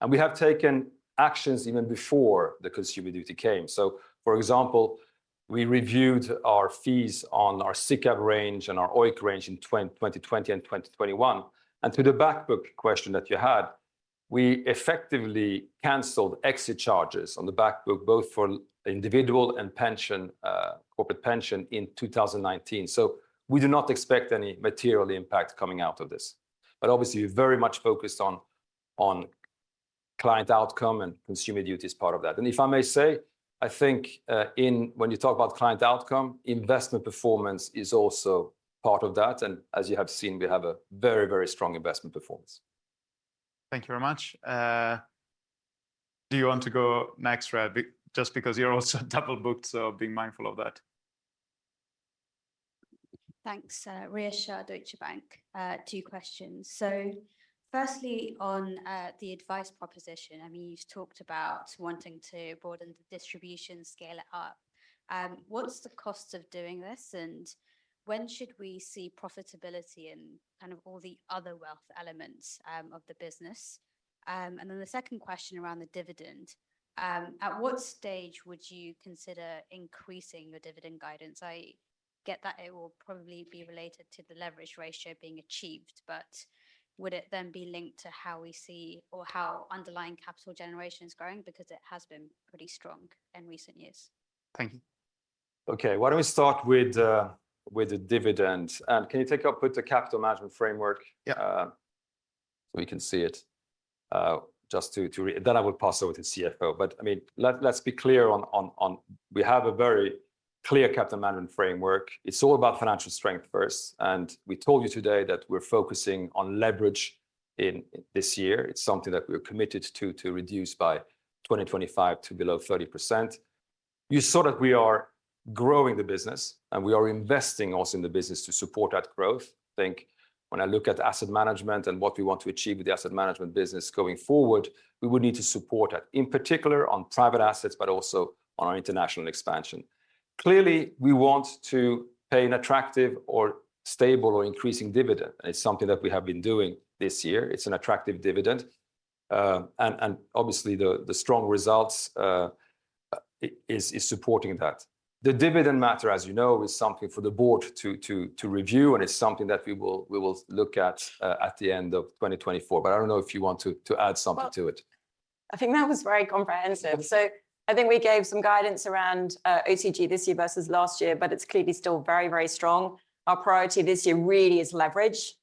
And we have taken actions even before the Consumer Duty came. So, for example, we reviewed our fees on our SICAV range and our OEIC range in 2020 and 2021, and to the back book question that you had, we effectively canceled exit charges on the back book, both for individual and pension, corporate pension in 2019. So we do not expect any material impact coming out of this, but obviously, we're very much focused on client outcome, and Consumer Duty is part of that. And if I may say, I think in... When you talk about client outcome, investment performance is also part of that, and as you have seen, we have a very, very strong investment performance. Thank you very much. Do you want to go next, Rhea, just because you're also double booked, so being mindful of that. Thanks. Rhea Shah, Deutsche Bank. Two questions. So firstly, on the advice proposition, I mean, you've talked about wanting to broaden the distribution, scale it up. What's the cost of doing this, and when should we see profitability and kind of all the other wealth elements of the business? And then the second question around the dividend. At what stage would you consider increasing your dividend guidance? I get that it will probably be related to the leverage ratio being achieved, but would it then be linked to how we see or how underlying capital generation is growing? Because it has been pretty strong in recent years. Thank you. Okay, why don't we start with, with the dividend, and can you take up with the capital management framework? Yeah. So we can see it, then I will pass over to CFO. But, I mean, let's be clear on... We have a very clear capital management framework. It's all about financial strength first, and we told you today that we're focusing on leverage this year. It's something that we're committed to reduce by 2025 to below 30%. You saw that we are growing the business, and we are investing also in the business to support that growth. I think when I look at asset management and what we want to achieve with the asset management business going forward, we would need to support that, in particular on private assets, but also on our international expansion. Clearly, we want to pay an attractive or stable or increasing dividend, and it's something that we have been doing this year. It's an attractive dividend. And obviously, the strong results is supporting that. The dividend matter, as you know, is something for the board to review, and it's something that we will look at, at the end of 2024. But I don't know if you want to add something to it. Well, I think that was very comprehensive. So I think we gave some guidance around OCG this year versus last year, but it's clearly still very, very strong. Our priority this year really is leverage.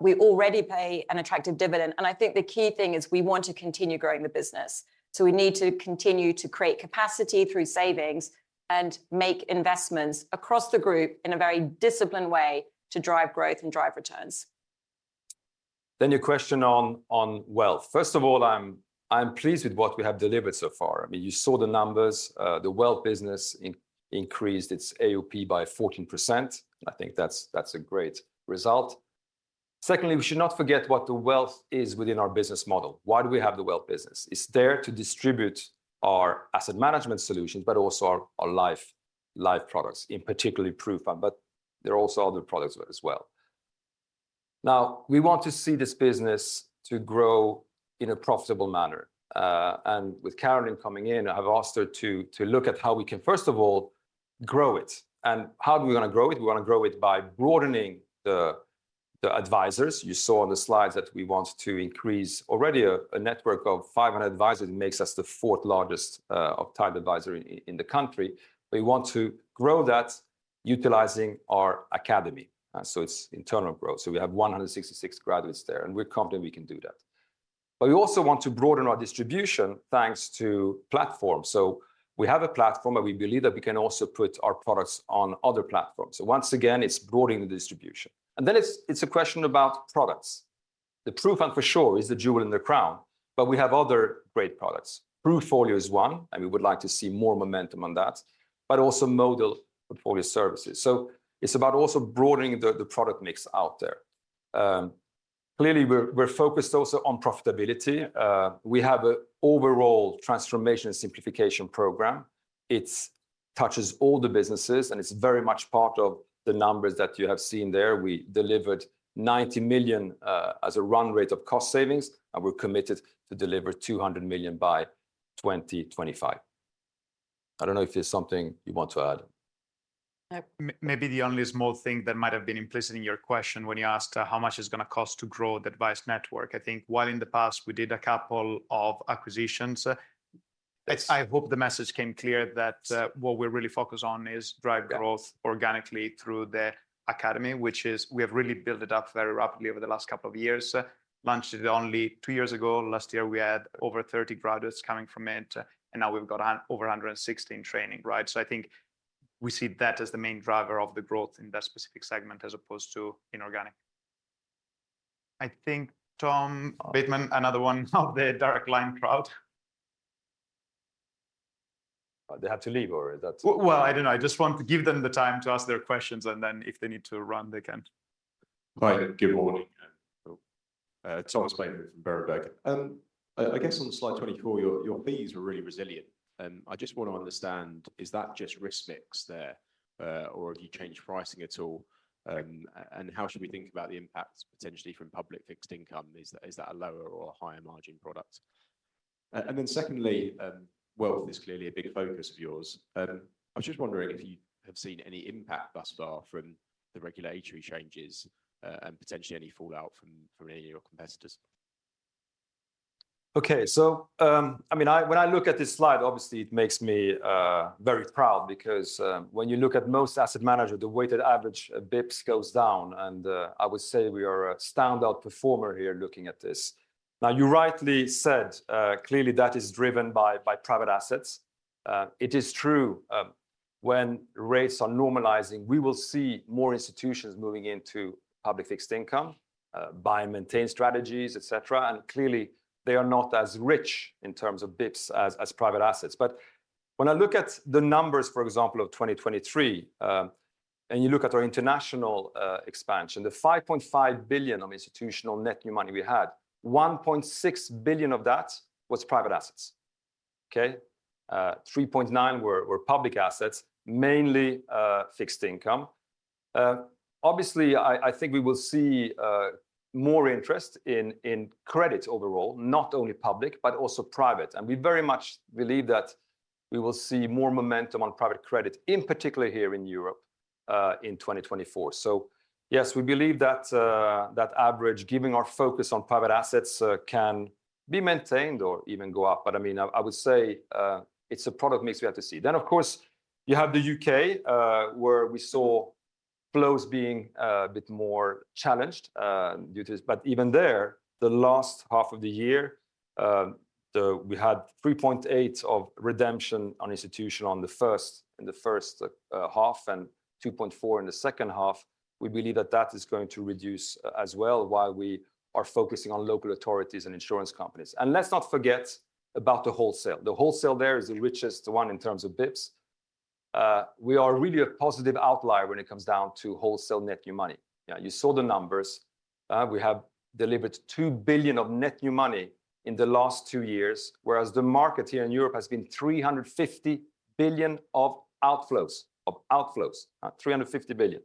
We already pay an attractive dividend, and I think the key thing is we want to continue growing the business. So we need to continue to create capacity through savings and make investments across the group in a very disciplined way to drive growth and drive returns. Then your question on wealth. First of all, I'm pleased with what we have delivered so far. I mean, you saw the numbers. The wealth business increased its AOP by 14%, and I think that's a great result. Secondly, we should not forget what the wealth is within our business model. Why do we have the wealth business? It's there to distribute our asset management solutions, but also our life products, in particular PruFund, but there are also other products as well. Now, we want to see this business to grow in a profitable manner. And with Caroline coming in, I've asked her to look at how we can, first of all, grow it. And how do we wanna grow it? We wanna grow it by broadening the advisors. You saw on the slides that we want to increase. Already a network of 500 advisors makes us the fourth largest of type advisory in the country. We want to grow that utilizing our academy, so it's internal growth. So we have 166 graduates there, and we're confident we can do that. But we also want to broaden our distribution, thanks to platforms. So we have a platform, and we believe that we can also put our products on other platforms. So once again, it's broadening the distribution. And then it's a question about products. The PruFund for sure is the jewel in the crown, but we have other great products. PruFolio is one, and we would like to see more momentum on that, but also model portfolio services. So it's about also broadening the product mix out there. Clearly, we're focused also on profitability. We have a overall transformation and simplification program. It touches all the businesses, and it's very much part of the numbers that you have seen there. We delivered 90 million as a run rate of cost savings, and we're committed to deliver 200 million by 2025. I don't know if there's something you want to add. No. Maybe the only small thing that might have been implicit in your question when you asked, how much it's gonna cost to grow the advice network, I think while in the past we did a couple of acquisitions, Yes... I hope the message came clear that, what we're really focused on is drive growth- ...organically through the academy, which is, we have really built it up very rapidly over the last couple of years. Launched it only two years ago. Last year, we had over 30 graduates coming from it, and now we've got an over 160 in training, right? So I think we see that as the main driver of the growth in that specific segment, as opposed to inorganic. I think Tom Bateman, another one of the direct line crowd. They had to leave, or is that- Well, I don't know. I just want to give them the time to ask their questions, and then if they need to run, they can. Hi, good morning. Tom Bateman from Berenberg. I guess on slide 24, your fees were really resilient. I just want to understand, is that just risk mix there, or have you changed pricing at all? And how should we think about the impacts potentially from public fixed income? Is that a lower or a higher margin product? And then secondly, wealth is clearly a big focus of yours. I was just wondering if you have seen any impact thus far from the regulatory changes, and potentially any fallout from any of your competitors? Okay. So, I mean, when I look at this slide, obviously it makes me very proud, because when you look at most asset manager, the weighted average bips goes down, and I would say we are a standout performer here looking at this. Now, you rightly said, clearly that is driven by private assets. It is true, when rates are normalizing, we will see more institutions moving into public fixed income, buy and maintain strategies, et cetera, and clearly they are not as rich in terms of bips as private assets. But when I look at the numbers, for example, of 2023, and you look at our international expansion, the 5.5 billion of institutional net new money we had, 1.6 billion of that was private assets. Okay? 3.9 were public assets, mainly fixed income. Obviously, I think we will see more interest in credit overall, not only public, but also private, and we very much believe that we will see more momentum on private credit, in particular here in Europe, in 2024. So yes, we believe that average, given our focus on private assets, can be maintained or even go up, but I mean, I would say it's a product mix we have to see. Then, of course, you have the UK, where we saw flows being a bit more challenged due to this, but even there, the last half of the year, we had 3.8 of redemption on institutional in the first half, and 2.4 in the second half. We believe that that is going to reduce as well, while we are focusing on local authorities and insurance companies. Let's not forget about the wholesale. The wholesale there is the richest one in terms of BPAs. We are really a positive outlier when it comes down to wholesale net new money. Yeah, you saw the numbers. We have delivered 2 billion of net new money in the last 2 years, whereas the market here in Europe has been 350 billion of outflows, 350 billion.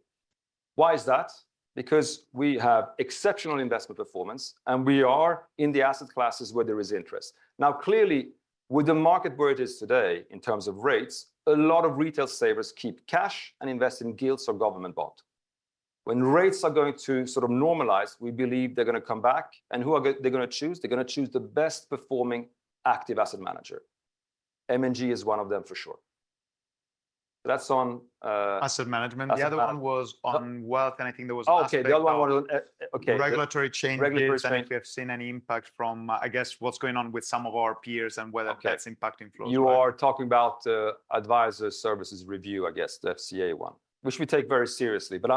Why is that? Because we have exceptional investment performance, and we are in the asset classes where there is interest. Now, clearly, with the market where it is today in terms of rates, a lot of retail savers keep cash and invest in gilts or government bond. When rates are going to sort of normalize, we believe they're gonna come back, and who are they're gonna choose? They're gonna choose the best performing active asset manager. M&G is one of them, for sure. That's on, Asset management. The other one was on wealth, and I think there was aspect- Okay, the other one was. Okay. Regulatory change- Regulatory change… And if we have seen any impact from, I guess, what's going on with some of our peers, and whether- Okay... that's impacting flows. You are talking about advisor services review, I guess, the FCA one, which we take very seriously. But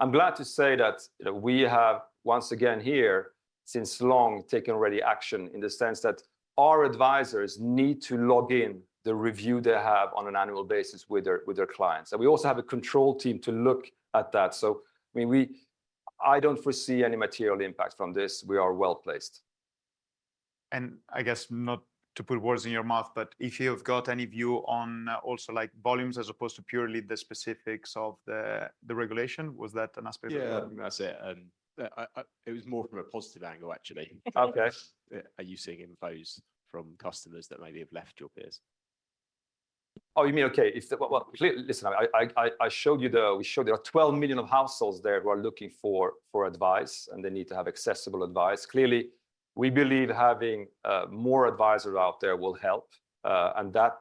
I'm glad to say that, you know, we have, once again here, since long, taken already action in the sense that our advisors need to log in the review they have on an annual basis with their clients, and we also have a control team to look at that. So, I mean, I don't foresee any material impact from this. We are well-placed. I guess, not to put words in your mouth, but if you've got any view on also, like, volumes as opposed to purely the specifics of the regulation, was that an aspect of it? Yeah, that's it. It was more from a positive angle, actually. Okay. Are you seeing inflows from customers that maybe have left your peers? Oh, you mean, okay, if the... Well, well, clearly, listen, I showed you the—we showed there are 12 million of households there who are looking for advice, and they need to have accessible advice. Clearly, we believe having more advisors out there will help, and that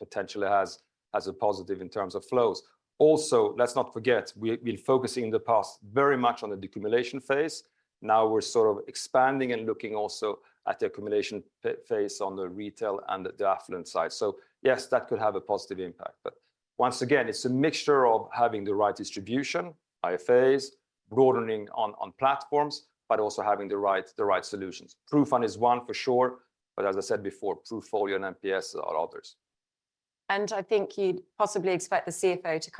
potentially has a positive in terms of flows. Also, let's not forget, we've been focusing in the past very much on the decumulation phase. Now we're sort of expanding and looking also at the accumulation phase on the retail and the affluent side. So yes, that could have a positive impact, but once again, it's a mixture of having the right distribution, IFAs, broadening on platforms, but also having the right solutions. PruFund is one for sure, but as I said before, PruFolio and MPS are others. I think you'd possibly expect the CFO to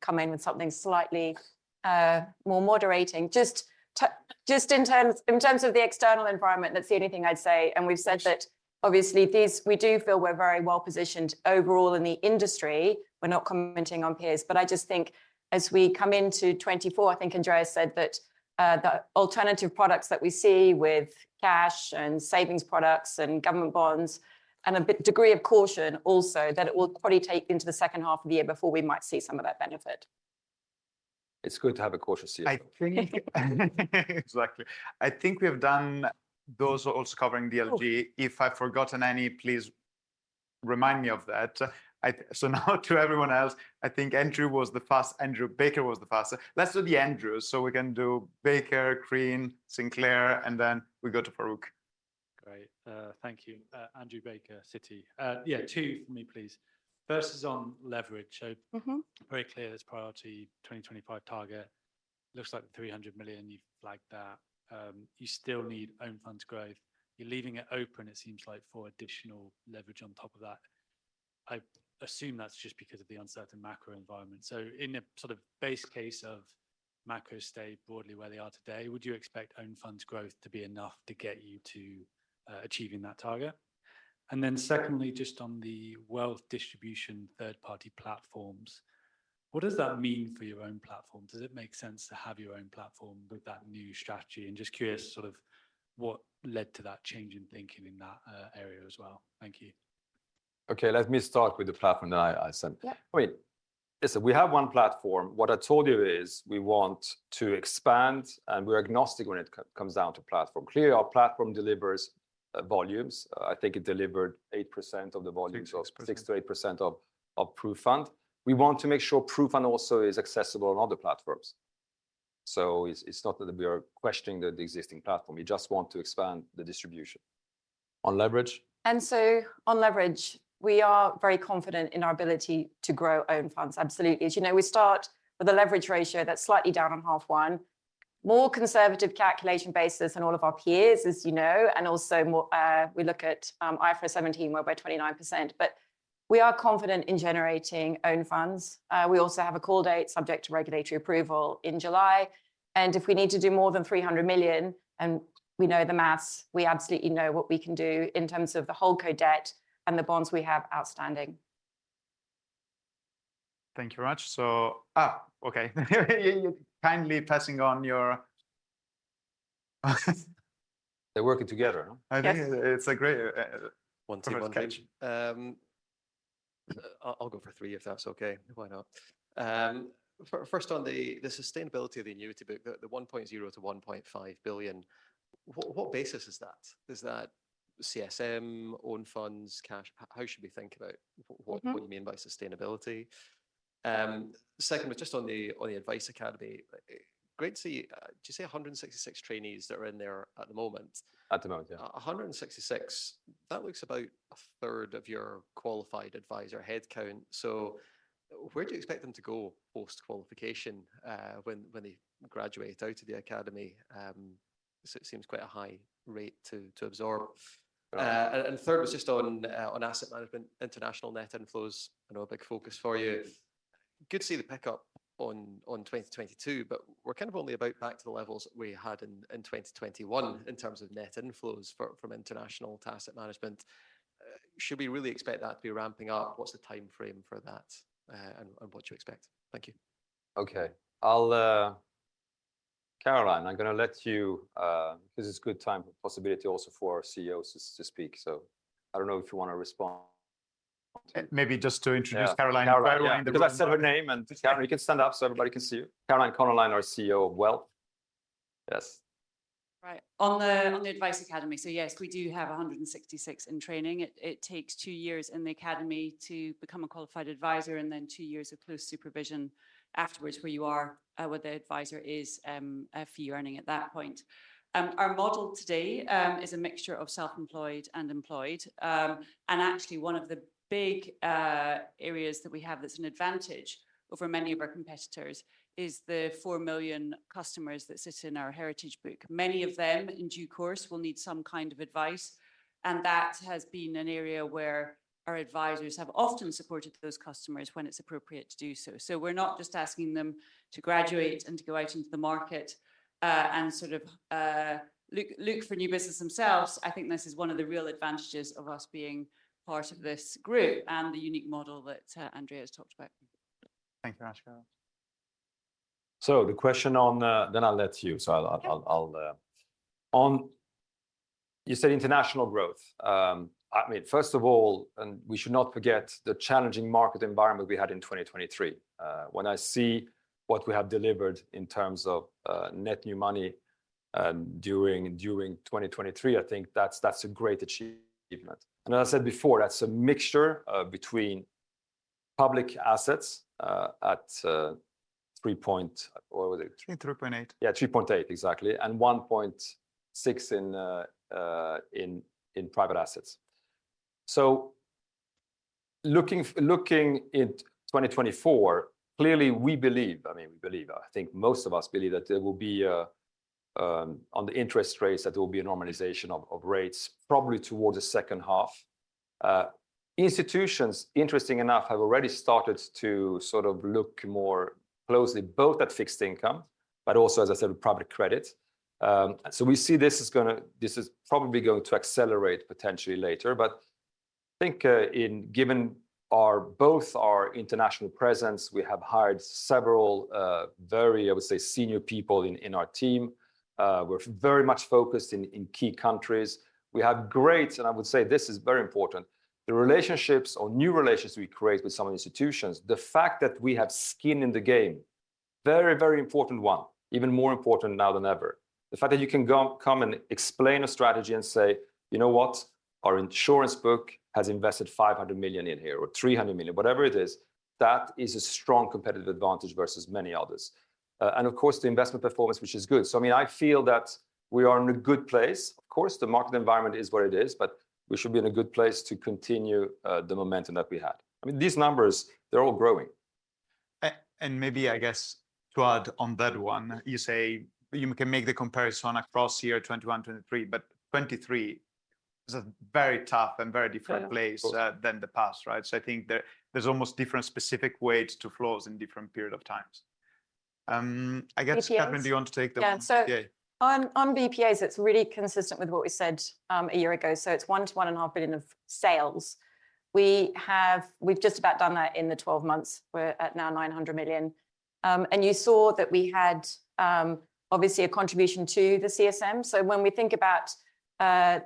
come in with something slightly more moderating. Just in terms of the external environment, that's the only thing I'd say, and we've said that obviously we do feel we're very well-positioned overall in the industry. We're not commenting on peers, but I just think as we come into 2024, I think Andrea said that the alternative products that we see with cash and savings products and government bonds, and a bit degree of caution also, that it will probably take into the second half of the year before we might see some of that benefit. It's good to have a cautious CFO. I think... Exactly. I think we have done those also covering DLG. If I've forgotten any, please remind me of that. So now to everyone else, I think Andrew was Andrew Baker was the fastest. Let's do the Andrews, so we can do Baker, Crean, Sinclair, and then we go to Farooq.... Thank you. Andrew Baker, Citi. Yeah, two for me, please. First is on leverage. So- Mm-hmm. Very clear, there's priority 2025 target. Looks like 300 million, you've flagged that. You still need own funds growth. You're leaving it open, it seems like, for additional leverage on top of that. I assume that's just because of the uncertain macro environment. So in a sort of base case of macro stay broadly where they are today, would you expect own funds growth to be enough to get you to achieving that target? And then secondly, just on the wealth distribution third-party platforms, what does that mean for your own platform? Does it make sense to have your own platform with that new strategy? And just curious sort of what led to that change in thinking in that area as well. Thank you. Okay, let me start with the platform that I said. Yeah. I mean, listen, we have one platform. What I told you is, we want to expand, and we're agnostic when it comes down to platform. Clearly, our platform delivers volumes. I think it delivered 8% of the volumes- 6%-8%. 6%-8% of PruFund. We want to make sure PruFund also is accessible on other platforms. So it's not that we are questioning the existing platform, we just want to expand the distribution. On leverage? On leverage, we are very confident in our ability to grow own funds, absolutely. As you know, we start with a leverage ratio that's slightly down on H1. More conservative calculation basis than all of our peers, as you know, and also more. We look at IFRS 17, where we're 29%, but we are confident in generating own funds. We also have a call date subject to regulatory approval in July, and if we need to do more than 300 million, and we know the math, we absolutely know what we can do in terms of the holdco debt and the bonds we have outstanding. Thank you very much. So, okay. You're kindly passing on your... They're working together, huh? I think- Yes... it's a great One team, one dream... kind of approach. I'll go for three, if that's okay. Why not? First, on the sustainability of the annuity book, the 1.0 billion-1.5 billion, what basis is that? Is that CSM, own funds, cash? How should we think about what- Mm-hmm... what you mean by sustainability? Second, was just on the Advice Academy, great to see, did you say 166 trainees that are in there at the moment? At the moment, yeah. 166, that looks about 1/3 of your qualified advisor headcount. So where do you expect them to go post-qualification, when they graduate out of the academy? So it seems quite a high rate to absorb. And third was just on asset management, international net inflows. I know a big focus for you. Good to see the pickup on 2022, but we're kind of only about back to the levels we had in 2021-... in terms of net inflows from international to asset management. Should we really expect that to be ramping up? What's the timeframe for that, and what do you expect? Thank you. Okay. I'll Caroline, I'm going to let you, this is a good time, possibility also for our CEO to speak, so I don't know if you want to respond. Maybe just to introduce Caroline- Yeah... Caroline. Because I said her name, and- Caroline, you can stand up so everybody can see you. Caroline Connellan, our CEO of Wealth. Yes. Right. On the Advice Academy, so yes, we do have 166 in training. It takes two years in the academy to become a qualified adviser, and then two years of close supervision afterwards, where the adviser is a fee earning at that point. Our model today is a mixture of self-employed and employed. And actually, one of the big areas that we have that's an advantage over many of our competitors is the 4 million customers that sit in our heritage book. Many of them, in due course, will need some kind of advice, and that has been an area where our advisers have often supported those customers when it's appropriate to do so. So we're not just asking them to graduate and to go out into the market, and sort of look for new business themselves. I think this is one of the real advantages of us being part of this group and the unique model that Andrea has talked about. Thank you, Caroline. So the question on, then I'll let you. So I'll. Okay. You said international growth. I mean, first of all, we should not forget the challenging market environment we had in 2023. When I see what we have delivered in terms of net new money during 2023, I think that's a great achievement. And as I said before, that's a mixture between public assets at three point, what was it? 3.8. Yeah, 3.8, exactly, and 1.6 in private assets. So looking in 2024, clearly, we believe, I mean, we believe, I think most of us believe that there will be on the interest rates, that there will be a normalization of rates, probably towards the second half. Institutions, interesting enough, have already started to sort of look more closely, both at fixed income, but also, as I said, private credit. So we see this is gonna this is probably going to accelerate potentially later, but I think, in given our, both our international presence, we have hired several, very, I would say, senior people in our team. We're very much focused in key countries. We have great, and I would say this is very important, the relationships or new relationships we create with some of the institutions, the fact that we have skin in the game, very, very important one, even more important now than ever. The fact that you can come and explain a strategy and say: You know what?... our insurance book has invested 500 million in here, or 300 million, whatever it is, that is a strong competitive advantage versus many others. And of course, the investment performance, which is good. So I mean, I feel that we are in a good place. Of course, the market environment is what it is, but we should be in a good place to continue the momentum that we had. I mean, these numbers, they're all growing. And maybe, I guess, to add on that one, you say you can make the comparison across year 2021, 2023, but 2023 is a very tough and very different place-... than the past, right? So I think there, there's almost different specific ways to flows in different period of times. I guess- BPAs... Kathryn, do you want to take the- Yeah. Yeah. On BPAs, it's really consistent with what we said a year ago. It's 1 billion-1.5 billion of sales. We've just about done that in the 12 months. We're now at 900 million. And you saw that we had, obviously, a contribution to the CSM. When we think about the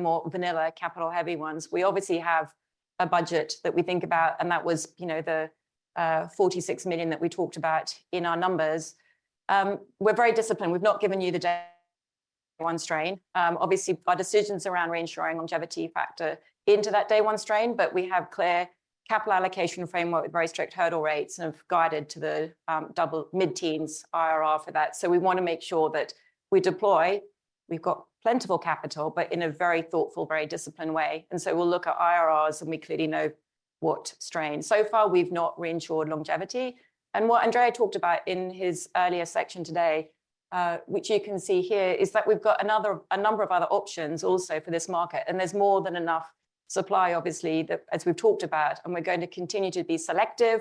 more vanilla capital-heavy ones, we obviously have a budget that we think about, and that was, you know, the 46 million that we talked about in our numbers. We're very disciplined. We've not given you the day one strain. Obviously, our decisions around reinsuring longevity factor into that day one strain, but we have clear capital allocation framework with very strict hurdle rates and have guided to the double mid-teens IRR for that. So we want to make sure that we deploy, we've got plentiful capital, but in a very thoughtful, very disciplined way. And so we'll look at IRRs, and we clearly know what strain. So far, we've not reinsured longevity, and what Andrea talked about in his earlier section today, which you can see here, is that we've got a number of other options also for this market, and there's more than enough supply, obviously, as we've talked about, and we're going to continue to be selective.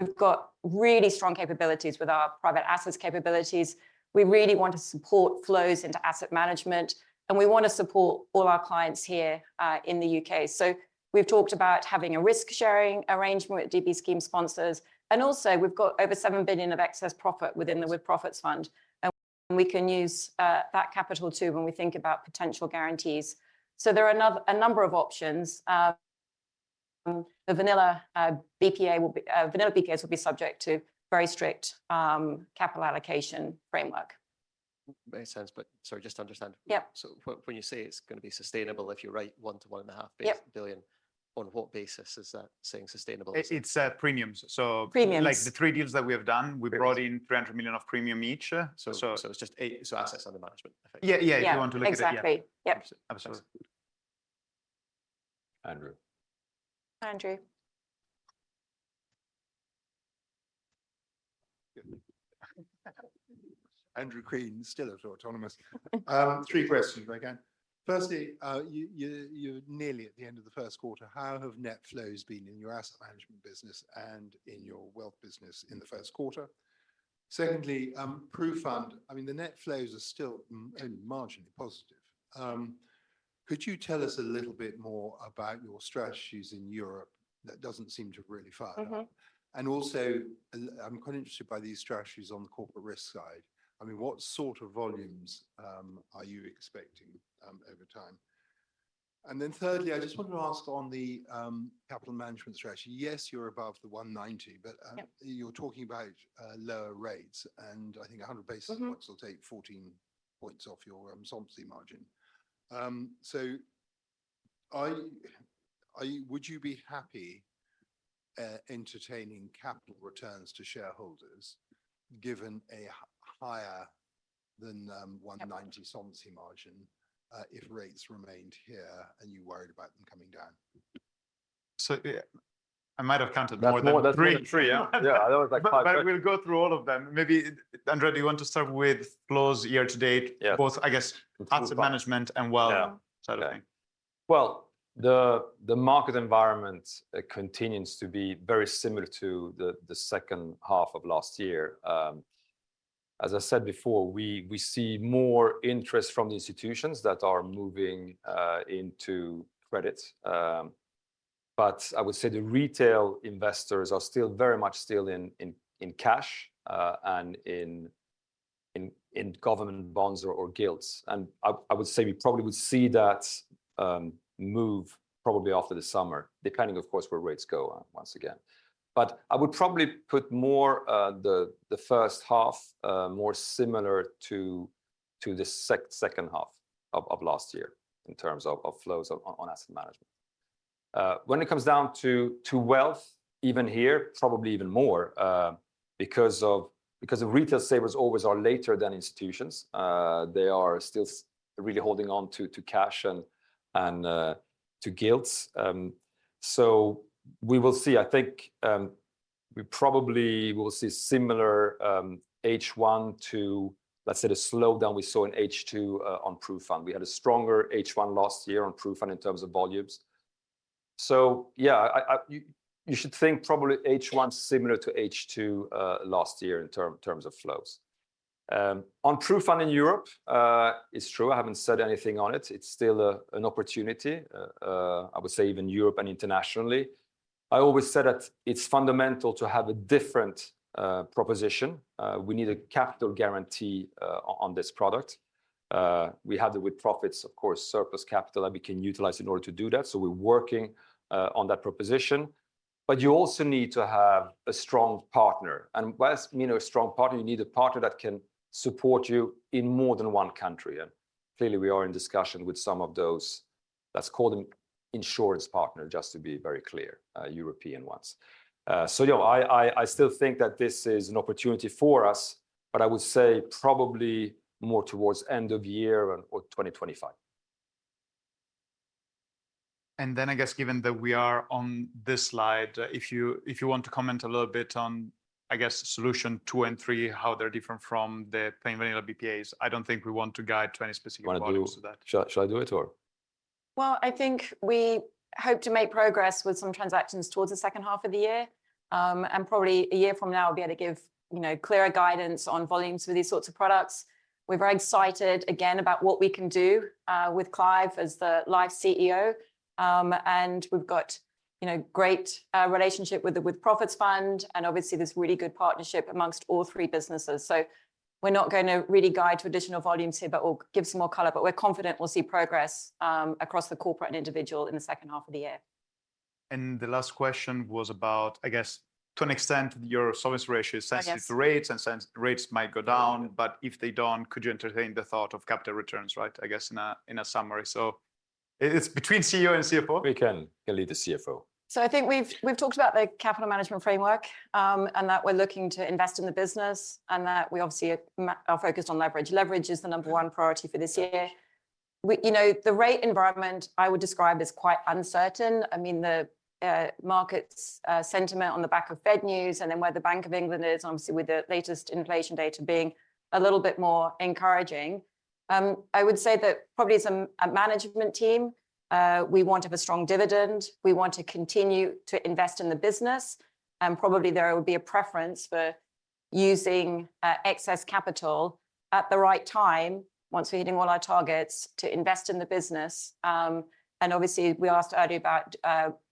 We've got really strong capabilities with our private assets capabilities. We really want to support flows into asset management, and we want to support all our clients here, in the U.K. So we've talked about having a risk-sharing arrangement with DB scheme sponsors, and also, we've got over 7 billion of excess profit within the With-Profits Fund, and we can use that capital, too, when we think about potential guarantees. So there are a number of options. The vanilla BPA will be vanilla BPAs will be subject to very strict capital allocation framework. Makes sense, but sorry, just to understand. Yeah. So when you say it's gonna be sustainable, if you write 1 billion- GBP1.5- Yep... billion, on what basis is that saying sustainable? It's premiums. So- Premiums... like the three deals that we have done, we brought in 300 million of premium each. So it's just assets under management, effectively. Yeah, yeah. Yeah. If you want to look at it, yeah. Exactly. Yep. Absolutely. Andrew. Andrew? Andrew Crean, still at Autonomous. Three questions if I can. Firstly, you're nearly at the end of the first quarter, how have net flows been in your asset management business and in your wealth business in the first quarter? Secondly, PruFund, I mean, the net flows are still only marginally positive. Could you tell us a little bit more about your strategies in Europe? That doesn't seem to have really fired up. Mm-hmm. And also, I'm quite interested by these strategies on the corporate risk side. I mean, what sort of volumes are you expecting over time? And then thirdly, I just wanted to ask on the capital management strategy. Yes, you're above the 190, but, Yep... you're talking about lower rates, and I think 100 basis points- Mm-hmm... will take 14 points off your solvency margin. So are you, are you, would you be happy entertaining capital returns to shareholders, given a higher than 190- Yep... solvency margin, if rates remained here, and you worried about them coming down? So, yeah, I might have counted more than three. More than three, yeah. Yeah, that was like five- But we'll go through all of them. Maybe, Andrea, do you want to start with flows year-to-date? Yeah. Both, I guess, asset management and wealth- Yeah... side of thing. Well, the market environment continues to be very similar to the second half of last year. As I said before, we see more interest from the institutions that are moving into credit. But I would say the retail investors are still very much in cash and in government bonds or gilts, and I would say we probably would see that move probably after the summer, depending, of course, where rates go once again. But I would probably put the first half more similar to the second half of last year in terms of flows on asset management. When it comes down to wealth, even here, probably even more, because of retail savers always are later than institutions. They are still really holding on to cash and to gilts. So we will see. I think we probably will see similar H1 to, let's say, the slowdown we saw in H2 on PruFund. We had a stronger H1 last year on PruFund in terms of volumes. So yeah, you should think probably H1 similar to H2 last year in terms of flows. On PruFund in Europe, it's true, I haven't said anything on it. It's still an opportunity, I would say even Europe and internationally. I always said that it's fundamental to have a different proposition. We need a capital guarantee on this product. We have the With-Profits, of course, surplus capital that we can utilize in order to do that, so we're working on that proposition. But you also need to have a strong partner. What does mean a strong partner? You need a partner that can support you in more than one country, and clearly we are in discussion with some of those. Let's call them insurance partner, just to be very clear, European ones. So yeah, I still think that this is an opportunity for us, but I would say probably more towards end of year or 2025. And then I guess given that we are on this slide, if you, if you want to comment a little bit on, I guess, solution two and three, how they're different from the plain vanilla BPAs. I don't think we want to guide to any specific volumes of that. Shall I do it or? Well, I think we hope to make progress with some transactions towards the second half of the year. And probably a year from now, we'll be able to give, you know, clearer guidance on volumes for these sorts of products. We're very excited again about what we can do with Clive as the Life CEO. And we've got, you know, great relationship with the With-Profits Fund, and obviously this really good partnership amongst all three businesses. So we're not gonna really guide to additional volumes here, but we'll give some more color. But we're confident we'll see progress across the corporate and individual in the second half of the year. The last question was about, I guess, to an extent, your service ratio is sensitive- Yes... to rates, and since rates might go down, but if they don't, could you entertain the thought of capital returns, right? I guess in a, in a summary. So it, it's between CEO and CFO. We can. I can leave the CFO. So I think we've talked about the capital management framework, and that we're looking to invest in the business, and that we obviously are focused on leverage. Leverage is the number one priority for this year. You know, the rate environment I would describe as quite uncertain. I mean, the market's sentiment on the back of Fed news, and then where the Bank of England is, obviously, with the latest inflation data being a little bit more encouraging. I would say that probably as a management team, we want to have a strong dividend. We want to continue to invest in the business, and probably there would be a preference for using excess capital at the right time, once we're hitting all our targets, to invest in the business. And obviously, we asked earlier about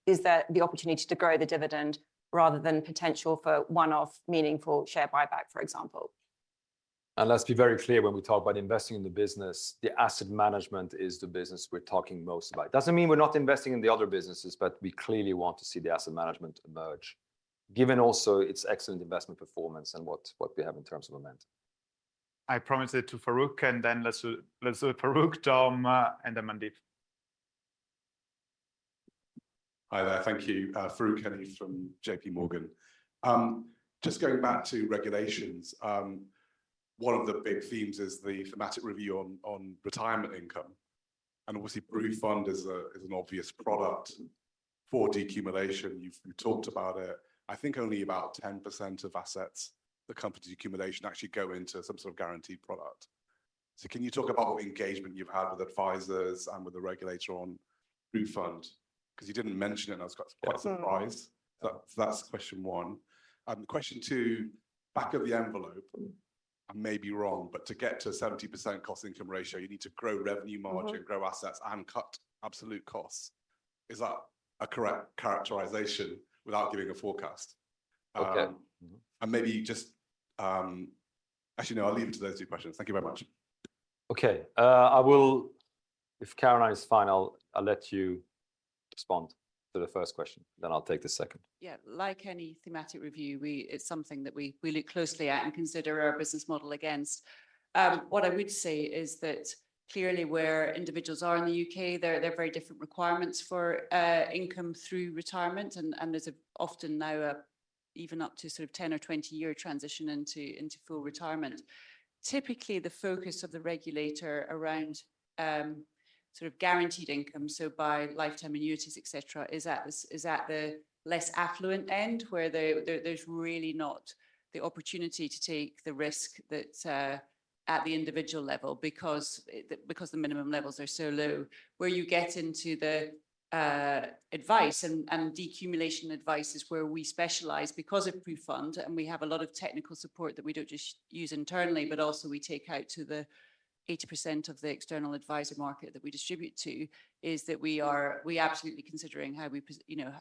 is there the opportunity to grow the dividend rather than potential for one-off meaningful share buyback, for example. Let's be very clear, when we talk about investing in the business, the asset management is the business we're talking most about. Doesn't mean we're not investing in the other businesses, but we clearly want to see the asset management emerge, given also its excellent investment performance and what we have in terms of momentum. I promised it to Farooq, and then let's, let's do Farooq, Tom, and then Mandeep. Hi there. Thank you. Farooq Hanif from JPMorgan. Just going back to regulations, one of the big themes is the thematic review on retirement income, and obviously, PruFund is an obvious product for decumulation. You've talked about it. I think only about 10% of assets, the company decumulation actually go into some sort of guaranteed product. So can you talk about what engagement you've had with advisors and with the regulator on PruFund? 'Cause you didn't mention it, and I was quite surprised. Yeah, so- So that's question one. Question two, back of the envelope, I may be wrong, but to get to a 70% cost income ratio, you need to grow revenue margin- Mm-hmm... grow assets, and cut absolute costs. Is that a correct characterization without giving a forecast? Okay. And maybe you just... Actually, no, I'll leave it to those two questions. Thank you very much. Okay. I will, if Caroline is fine, I'll let you respond to the first question, then I'll take the second. Yeah. Like any thematic review, it's something that we look closely at and consider our business model against. What I would say is that clearly where individuals are in the UK, there are very different requirements for income through retirement, and there's often now even up to sort of 10 or 20 year transition into full retirement. Typically, the focus of the regulator around sort of guaranteed income, so by lifetime annuities, et cetera, is at the less affluent end, where there's really not the opportunity to take the risk that at the individual level because the minimum levels are so low. Where you get into the advice and decumulation advice is where we specialize because of PruFund, and we have a lot of technical support that we don't just use internally, but also we take out to the 80% of the external advisor market that we distribute to, that we are absolutely considering you know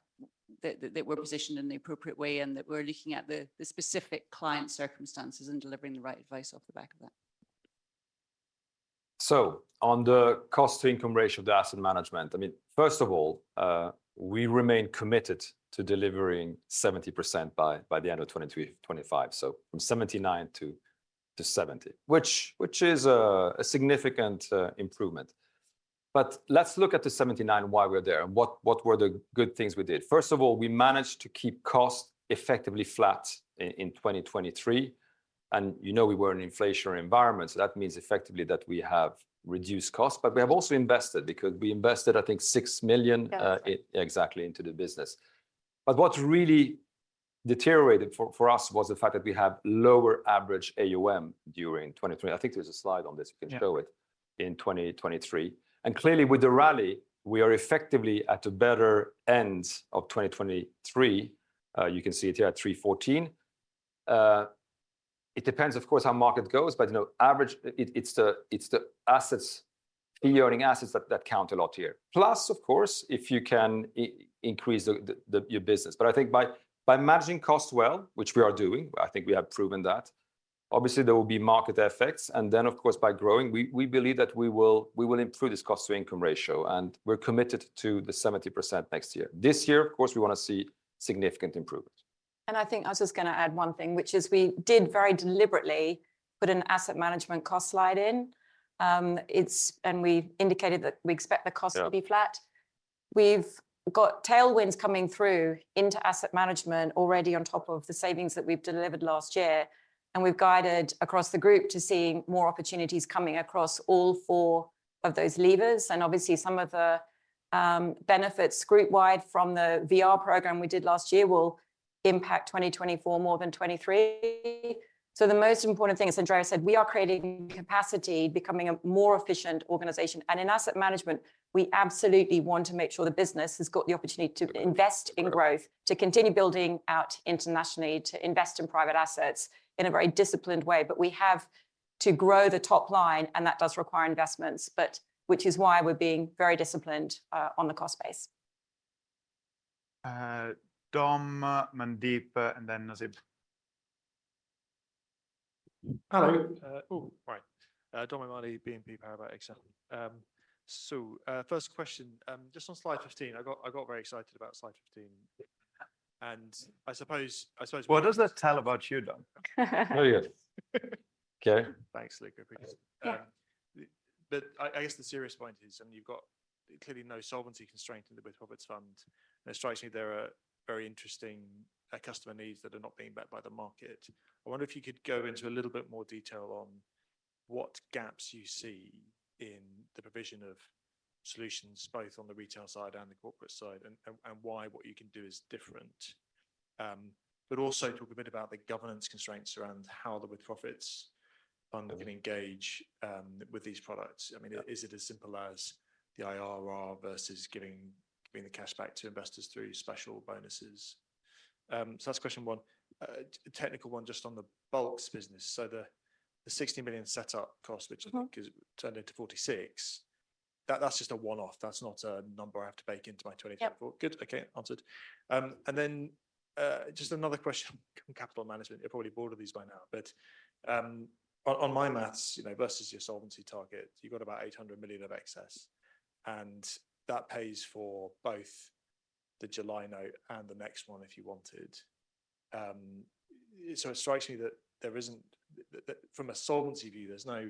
that we're positioned in the appropriate way and that we're looking at the specific client circumstances and delivering the right advice off the back of that. So on the cost to income ratio of the asset management, I mean, first of all, we remain committed to delivering 70% by the end of 2023-2025. So from 79%-70%, which is a significant improvement. But let's look at the 79%, why we're there, and what were the good things we did? First of all, we managed to keep costs effectively flat in 2023, and you know, we were in an inflationary environment, so that means effectively that we have reduced costs. But we have also invested because we invested, I think, 6 million- Yeah, that's right. Exactly into the business. But what really deteriorated for us was the fact that we have lower average AUMA during 2023. I think there's a slide on this. Yeah. You can show it in 2023. And clearly, with the rally, we are effectively at the better end of 2023. You can see it here at 314. It depends, of course, how market goes, but, you know, on average, it's the assets, fee earning assets that count a lot here. Plus, of course, if you can increase the your business. But I think by managing costs well, which we are doing, I think we have proven that-... obviously, there will be market effects, and then, of course, by growing, we believe that we will improve this cost-to-income ratio, and we're committed to the 70% next year. This year, of course, we wanna see significant improvement. And I think I was just gonna add one thing, which is we did very deliberately put an asset management cost slide in. And we indicated that we expect the cost- Yeah... to be flat. We've got tailwinds coming through into asset management already on top of the savings that we've delivered last year, and we've guided across the group to seeing more opportunities coming across all four of those levers. And obviously, some of the benefits group-wide from the VR program we did last year will impact 2024 more than 2023. So the most important thing, as Andrea said, we are creating capacity, becoming a more efficient organization. And in asset management, we absolutely want to make sure the business has got the opportunity to invest in growth, to continue building out internationally, to invest in private assets in a very disciplined way. But we have to grow the top line, and that does require investments, but which is why we're being very disciplined on the cost base. Dom, Mandeep, and then Nasib. Hello. Oh, right. Dom O'Mahony, BNP Paribas Exane. So, first question, just on slide 15. I got very excited about slide 15, and I suppose- Well, what does that tell about you, Dom? Very good. Okay. Thanks, Luca, because... Yeah. But I guess the serious point is, and you've got clearly no solvency constraint in the With-Profits Fund. It strikes me there are very interesting customer needs that are not being met by the market. I wonder if you could go into a little bit more detail on what gaps you see in the provision of solutions, both on the retail side and the corporate side, and why what you can do is different. But also talk a bit about the governance constraints around how the With-Profits Fund can engage with these products. I mean-... is it as simple as the IRR versus giving, giving the cash back to investors through special bonuses? That's question one. Technical one, just on the bulks business. The 60 million set up cost, which- Mm-hmm... is turned into 46, that, that's just a one-off. That's not a number I have to bake into my 2024. Yep. Good. Okay. Answered. And then, just another question from capital management. You're probably bored of these by now, but, on, on my maths, you know, versus your solvency target, you've got about 800 million of excess, and that pays for both the July note and the next one, if you wanted. So it strikes me that there isn't, that, that from a solvency view, there's no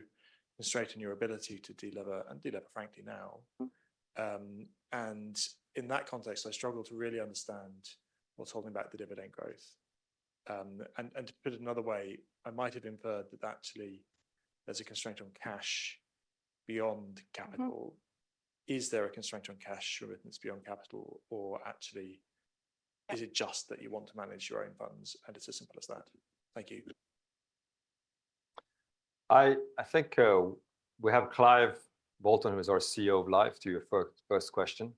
constraint in your ability to deliver and deliver frankly now. And in that context, I struggle to really understand what's holding back the dividend growth. And, to put it another way, I might have inferred that actually there's a constraint on cash beyond capital. Mm-hmm. Is there a constraint on cash or business beyond capital, or actually, is it just that you want to manage your own funds, and it's as simple as that? Thank you. I think we have Clive Bolton, who is our CEO of Life, to your first question.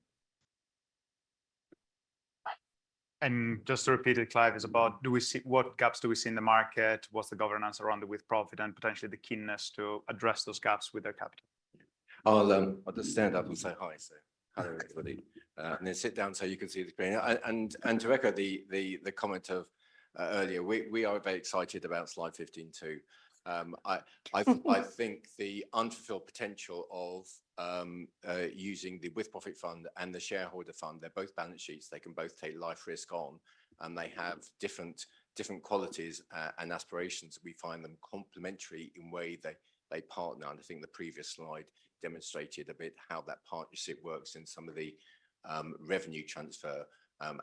Just to repeat it, Clive, is about what gaps do we see in the market? What's the governance around the With-Profits, and potentially the keenness to address those gaps with their capital? I'll just stand up and say hi, so hello, everybody, and then sit down so you can see the screen. And to echo the comment of earlier, we are very excited about slide 15, too. I think the unfulfilled potential of using the With-Profits Fund and the Shareholder Fund, they're both balance sheets. They can both take life risk on, and they have different qualities and aspirations. We find them complementary in the way they partner, and I think the previous slide demonstrated a bit how that partnership works in some of the revenue transfer.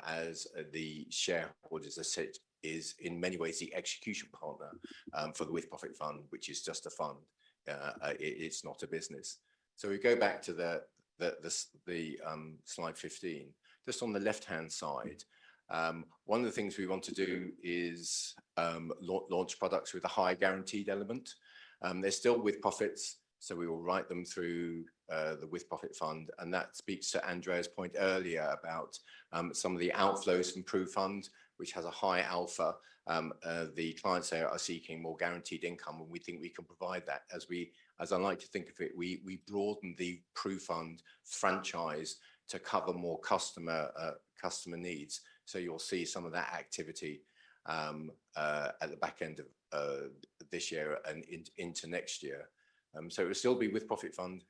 As the shareholder, as I said, is in many ways the execution partner for the With-Profits Fund, which is just a fund. It's not a business. So we go back to the slide 15. Just on the left-hand side, one of the things we want to do is launch products with a high guaranteed element. They're still With-Profits, so we will write them through the With-Profits Fund, and that speaks to Andrea's point earlier about some of the outflows from PruFund, which has a high alpha. The clients there are seeking more guaranteed income, and we think we can provide that. As I like to think of it, we broaden the PruFund franchise to cover more customer needs. So you'll see some of that activity at the back end of this year and into next year. So it'll still be With-Profits Fund,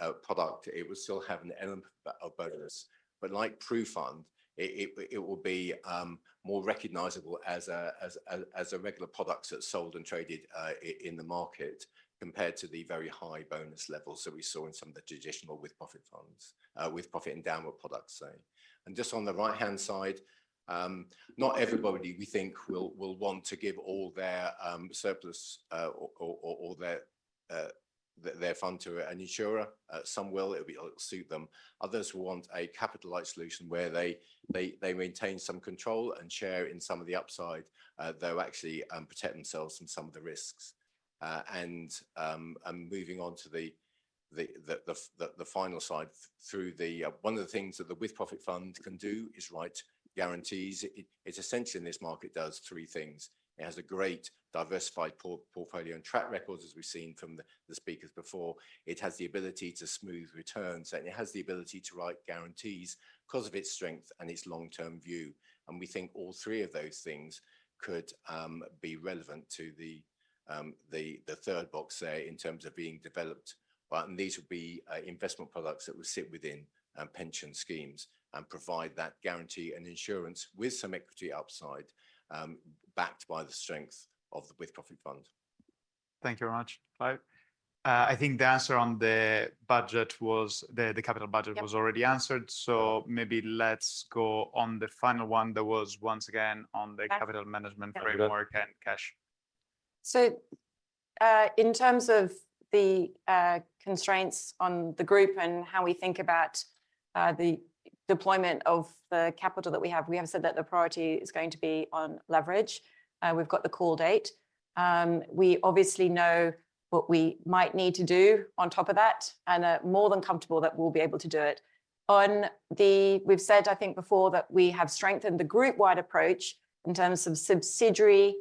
a product. It will still have an element of bonus, but like PruFund, it will be more recognizable as a regular product that's sold and traded in the market, compared to the very high bonus levels that we saw in some of the traditional With-Profits funds, With-Profits and endowment products, say. Just on the right-hand side, not everybody, we think, will want to give all their surplus or their fund to an insurer. Some will; it'll suit them. Others will want a capitalized solution, where they maintain some control and share in some of the upside, though actually protect themselves from some of the risks. And moving on to the final slide through the... One of the things that the With-Profits Fund can do is write guarantees. It essentially, in this market, does three things: It has a great diversified portfolio and track record, as we've seen from the speakers before. It has the ability to smooth returns. And it has the ability to write guarantees 'cause of its strength and its long-term view... and we think all three of those things could be relevant to the third box, say, in terms of being developed. But these would be investment products that would sit within pension schemes and provide that guarantee and insurance with some equity upside backed by the strength of the With-Profits Fund. Thank you very much. Clive, I think the answer on the budget was, the capital budget- Yep... was already answered, so maybe let's go on the final one that was once again on the- Capital... capital management framework and cash. So, in terms of the constraints on the group and how we think about the deployment of the capital that we have, we have said that the priority is going to be on leverage. We've got the call date. We obviously know what we might need to do on top of that, and are more than comfortable that we'll be able to do it. On the... We've said, I think before, that we have strengthened the group-wide approach in terms of subsidiaries,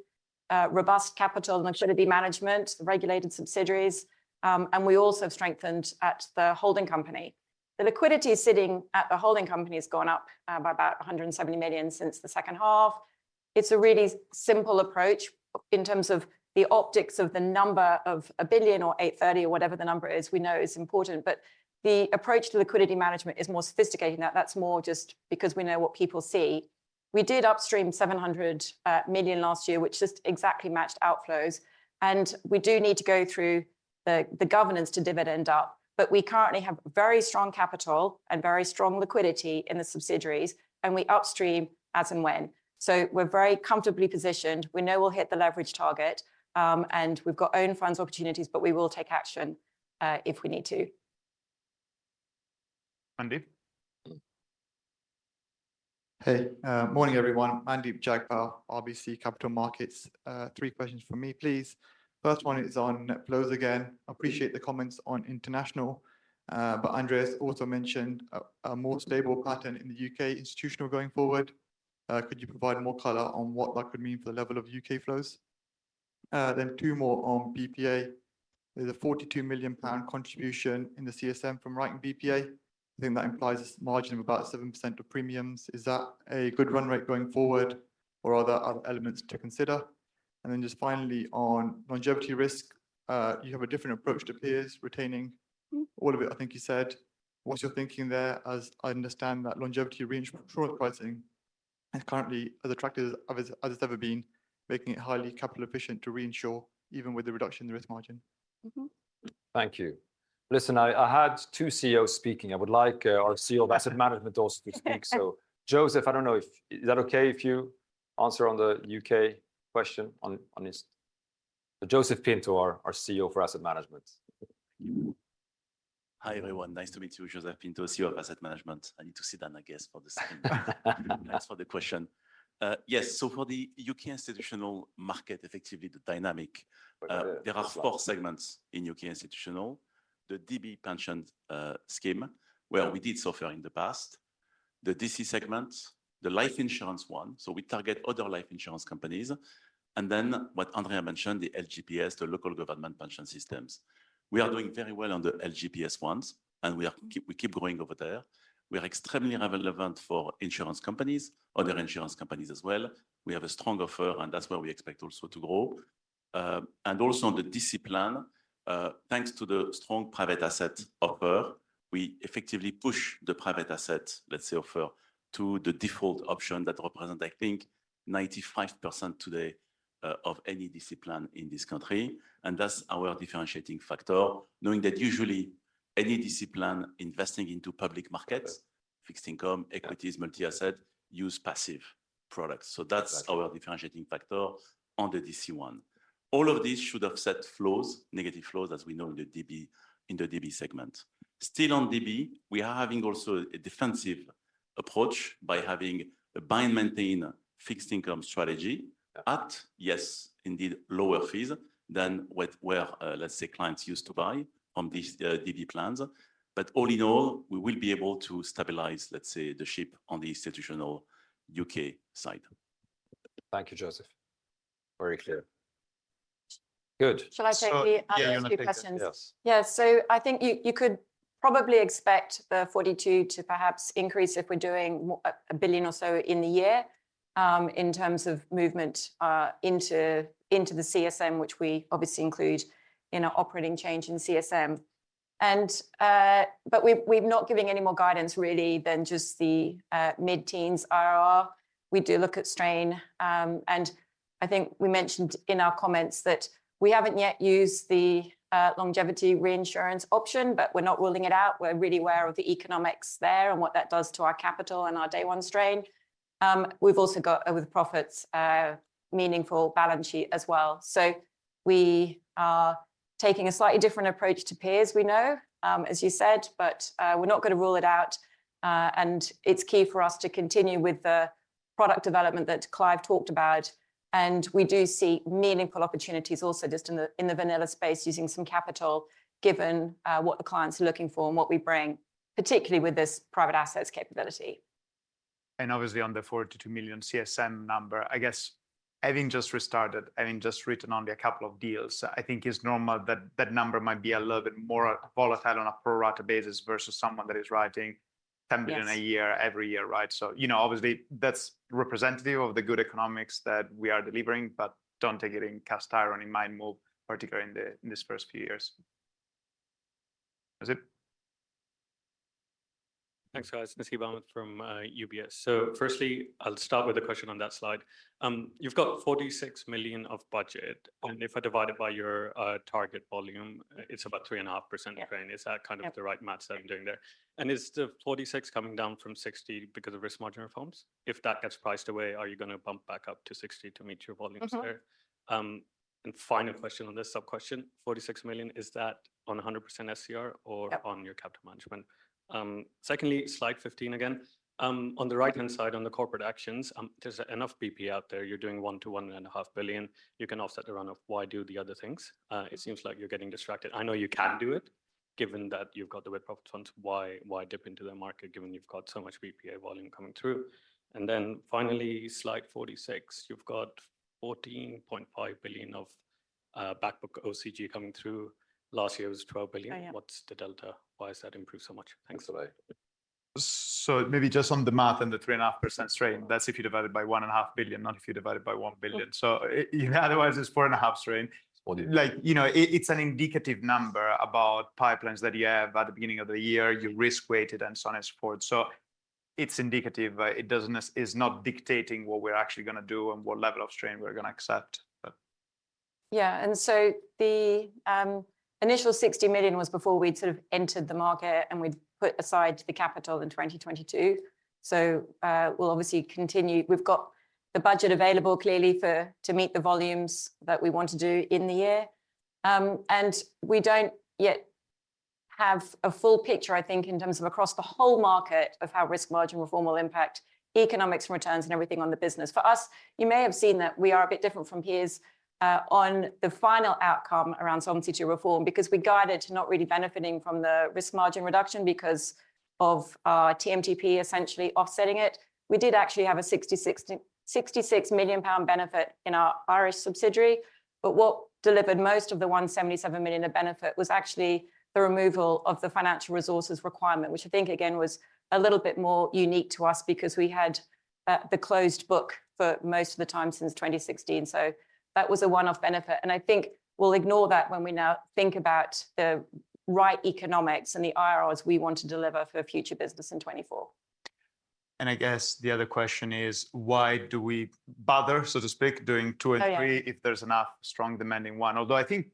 robust capital and liquidity management, the regulated subsidiaries, and we also have strengthened at the holding company. The liquidity sitting at the holding company has gone up by about 170 million since the second half. It's a really simple approach in terms of the optics of the number of a billion or 830 or whatever the number is. We know it's important, but the approach to liquidity management is more sophisticated than that. That's more just because we know what people see. We did upstream 700 million last year, which just exactly matched outflows, and we do need to go through the governance to dividend up, but we currently have very strong capital and very strong liquidity in the subsidiaries, and we upstream as and when. So we're very comfortably positioned. We know we'll hit the leverage target, and we've got own funds opportunities, but we will take action if we need to. Mandeep? Hey, morning, everyone. Mandeep Jagpal, RBC Capital Markets. Three questions from me, please. First one is on net flows again. Appreciate the comments on international, but Andrea also mentioned a more stable pattern in the UK institutional going forward. Could you provide more color on what that could mean for the level of UK flows? Then two more on BPA. There's a 42 million pound contribution in the CSM from writing BPA. I think that implies a margin of about 7% of premiums. Is that a good run rate going forward, or are there other elements to consider? And then just finally on longevity risk, you have a different approach to peers, retaining- Mm-hmm... all of it, I think you said. What's your thinking there, as I understand that longevity reinsurance pricing is currently as attractive as it's ever been, making it highly capital efficient to reinsure, even with the reduction in the risk margin? Mm-hmm. Thank you. Listen, I had two CEOs speaking. I would like our CEO of asset management also to speak. So, Joseph, I don't know if... Is that okay if you answer on the UK question on this? Joseph Pinto, our CEO for asset management. Hi, everyone, nice to meet you. Joseph Pinto, CEO of Asset Management. I need to sit down, I guess, for the second. Thanks for the question. Yes, so for the UK institutional market, effectively the dynamic, there are four segments in UK institutional: the DB pension scheme, where we did so far in the past; the DC segment; the life insurance one, so we target other life insurance companies; and then what Andrea mentioned, the LGPS, the Local Government Pension Scheme. We are doing very well on the LGPS ones, and we keep growing over there. We are extremely relevant for insurance companies, other insurance companies as well. We have a strong offer, and that's where we expect also to grow. Also on the DC plan, thanks to the strong private asset offer, we effectively push the private asset, let's say, offer, to the default option that represent, I think, 95% today, of any DC plan in this country, and that's our differentiating factor. Knowing that usually any DC plan investing into public markets, fixed income, equities, multi-asset, use passive products. Exactly. So that's our differentiating factor on the DC one. All of these should offset flows, negative flows, as we know, in the DB, in the DB segment. Still on DB, we are having also a defensive approach by having a buy and maintain fixed income strategy at, yes, indeed, lower fees than what where, let's say, clients used to buy on these, DB plans. But all in all, we will be able to stabilize, let's say, the ship on the institutional UK side. Thank you, Joseph. Very clear. Good. Shall I take the- Yeah... last few questions? Yes. Yeah, so I think you could probably expect the 42 to perhaps increase if we're doing more, 1 billion or so in the year, in terms of movement into the CSM, which we obviously include in our operating change in CSM. But we've not given any more guidance really than just the mid-teens IRR. We do look at strain, and I think we mentioned in our comments that we haven't yet used the longevity reinsurance option, but we're not ruling it out. We're really aware of the economics there and what that does to our capital and our day one strain. We've also got with profits meaningful balance sheet as well. So we are taking a slightly different approach to peers we know, as you said, but we're not going to rule it out. It's key for us to continue with the product development that Clive talked about, and we do see meaningful opportunities also just in the vanilla space using some capital, given what the clients are looking for and what we bring, particularly with this private assets capability. And obviously, on the 42 million CSM number, I guess-... having just restarted, having just written only a couple of deals, I think it's normal that that number might be a little bit more volatile on a pro rata basis versus someone that is writing 10 billion- Yes... a year every year, right? So, you know, obviously, that's representative of the good economics that we are delivering, but don't take it in cast-iron in mind, more particularly in this first few years. That's it? Thanks, guys. Nasib Ahmed from UBS. Firstly, I'll start with a question on that slide. You've got 46 million of budget, and if I divide it by your target volume, it's about 3.5% of gain. Yeah. Is that kind of the right math- Yeah... that I'm doing there? And is the 46 coming down from 60 because of risk margin reforms? If that gets priced away, are you gonna bump back up to 60 to meet your volumes there? Mm-hmm. Final question on this subquestion: 46 million, is that on a 100% SCR or- Yeah... on your capital management? Secondly, slide 15 again. On the right-hand side, on the corporate actions, there's enough BPA out there. You're doing 1 billion-1.5 billion. You can offset the run-off. Why do the other things? It seems like you're getting distracted. I know you can do it, given that you've got the With-Profits funds. Why, why dip into the market, given you've got so much BPA volume coming through? And then finally, slide 46, you've got 14.5 billion of, back book OCG coming through. Last year, it was 12 billion. Yeah. What's the delta? Why has that improved so much? Thanks. Maybe just on the math and the 3.5% strain, that's if you divide it by 1.5 billion, not if you divide it by 1 billion. Otherwise, it's 4.5 strain. Four billion. Like, you know, it, it's an indicative number about pipelines that you have at the beginning of the year, you risk weight it, and so on and so forth. So it's indicative, but it doesn't, it's not dictating what we're actually gonna do and what level of strain we're gonna accept, but... Yeah, and so the initial 60 million was before we'd sort of entered the market, and we'd put aside the capital in 2022. So, we'll obviously continue. We've got the budget available, clearly, for to meet the volumes that we want to do in the year. And we don't yet have a full picture, I think, in terms of across the whole market, of how risk margin reform will impact economics and returns and everything on the business. For us, you may have seen that we are a bit different from peers on the final outcome around Solvency II reform, because we guided to not really benefiting from the risk margin reduction because of TMTP essentially offsetting it. We did actually have a 66 million pound benefit in our Irish subsidiary, but what delivered most of the 177 million of benefit was actually the removal of the financial resources requirement, which I think, again, was a little bit more unique to us because we had the closed book for most of the time since 2016. So that was a one-off benefit, and I think we'll ignore that when we now think about the right economics and the IRRs we want to deliver for future business in 2024. I guess the other question is, why do we bother, so to speak, doing two and three- Oh, yeah... if there's enough strong demand in one? Although I think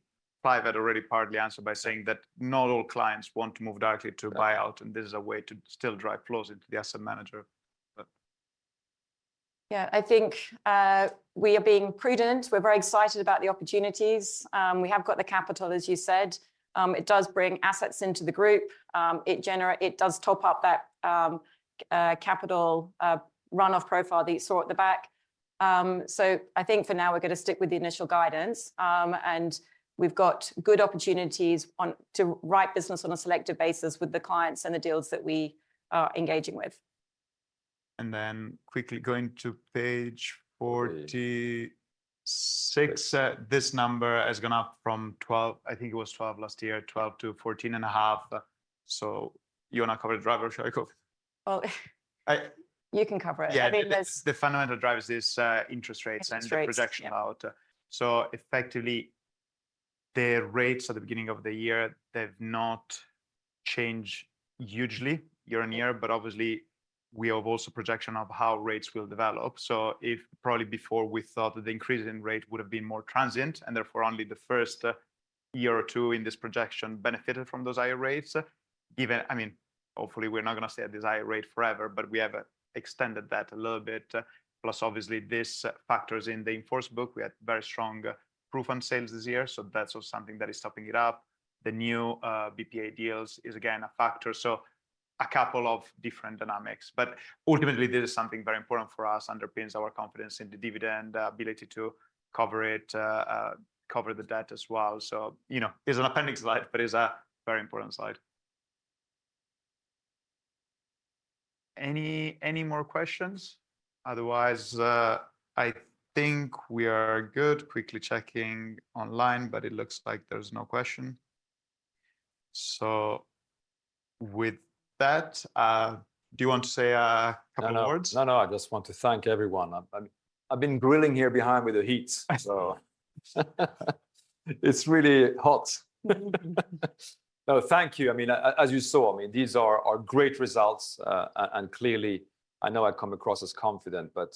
Clive had already partly answered by saying that not all clients want to move directly to buyout, and this is a way to still drive flows into the asset manager, but... Yeah, I think we are being prudent. We're very excited about the opportunities. We have got the capital, as you said. It does bring assets into the group. It does top up that capital run-off profile that you saw at the back. So I think for now, we're gonna stick with the initial guidance, and we've got good opportunities to write business on a selective basis with the clients and the deals that we are engaging with. And then quickly going to page 46, this number has gone up from 12, I think it was 12 last year, 12 to 14.5. So you wanna cover the driver, or shall I cover? Well, I- You can cover it. Yeah. I mean, there's- The fundamental driver is this, interest rates- Interest rates... and projection out. So effectively, the rates at the beginning of the year, they've not changed hugely year on year, but obviously, we have also projection of how rates will develop. So if probably before we thought that the increase in rate would have been more transient, and therefore only the first year or two in this projection benefited from those higher rates, given—I mean, hopefully, we're not gonna stay at this higher rate forever, but we have extended that a little bit. Plus, obviously, this factors in the in-force book. We had very strong PruFund sales this year, so that's also something that is topping it up. The new BPA deals is again, a factor, so a couple of different dynamics. But ultimately, this is something very important for us, underpins our confidence in the dividend, ability to cover it, cover the debt as well. So, you know, it's an appendix slide, but it's a very important slide. Any more questions? Otherwise, I think we are good. Quickly checking online, but it looks like there's no question. So with that, do you want to say a couple words? No, no. No, no, I just want to thank everyone. I've been grilling here behind with the heat, so it's really hot. No, thank you. I mean, as you saw, I mean, these are great results, and clearly, I know I come across as confident, but,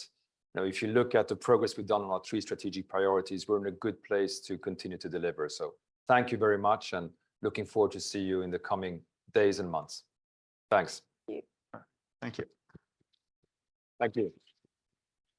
you know, if you look at the progress we've done on our three strategic priorities, we're in a good place to continue to deliver. So thank you very much, and looking forward to see you in the coming days and months. Thanks. Thank you. Thank you. Thank you.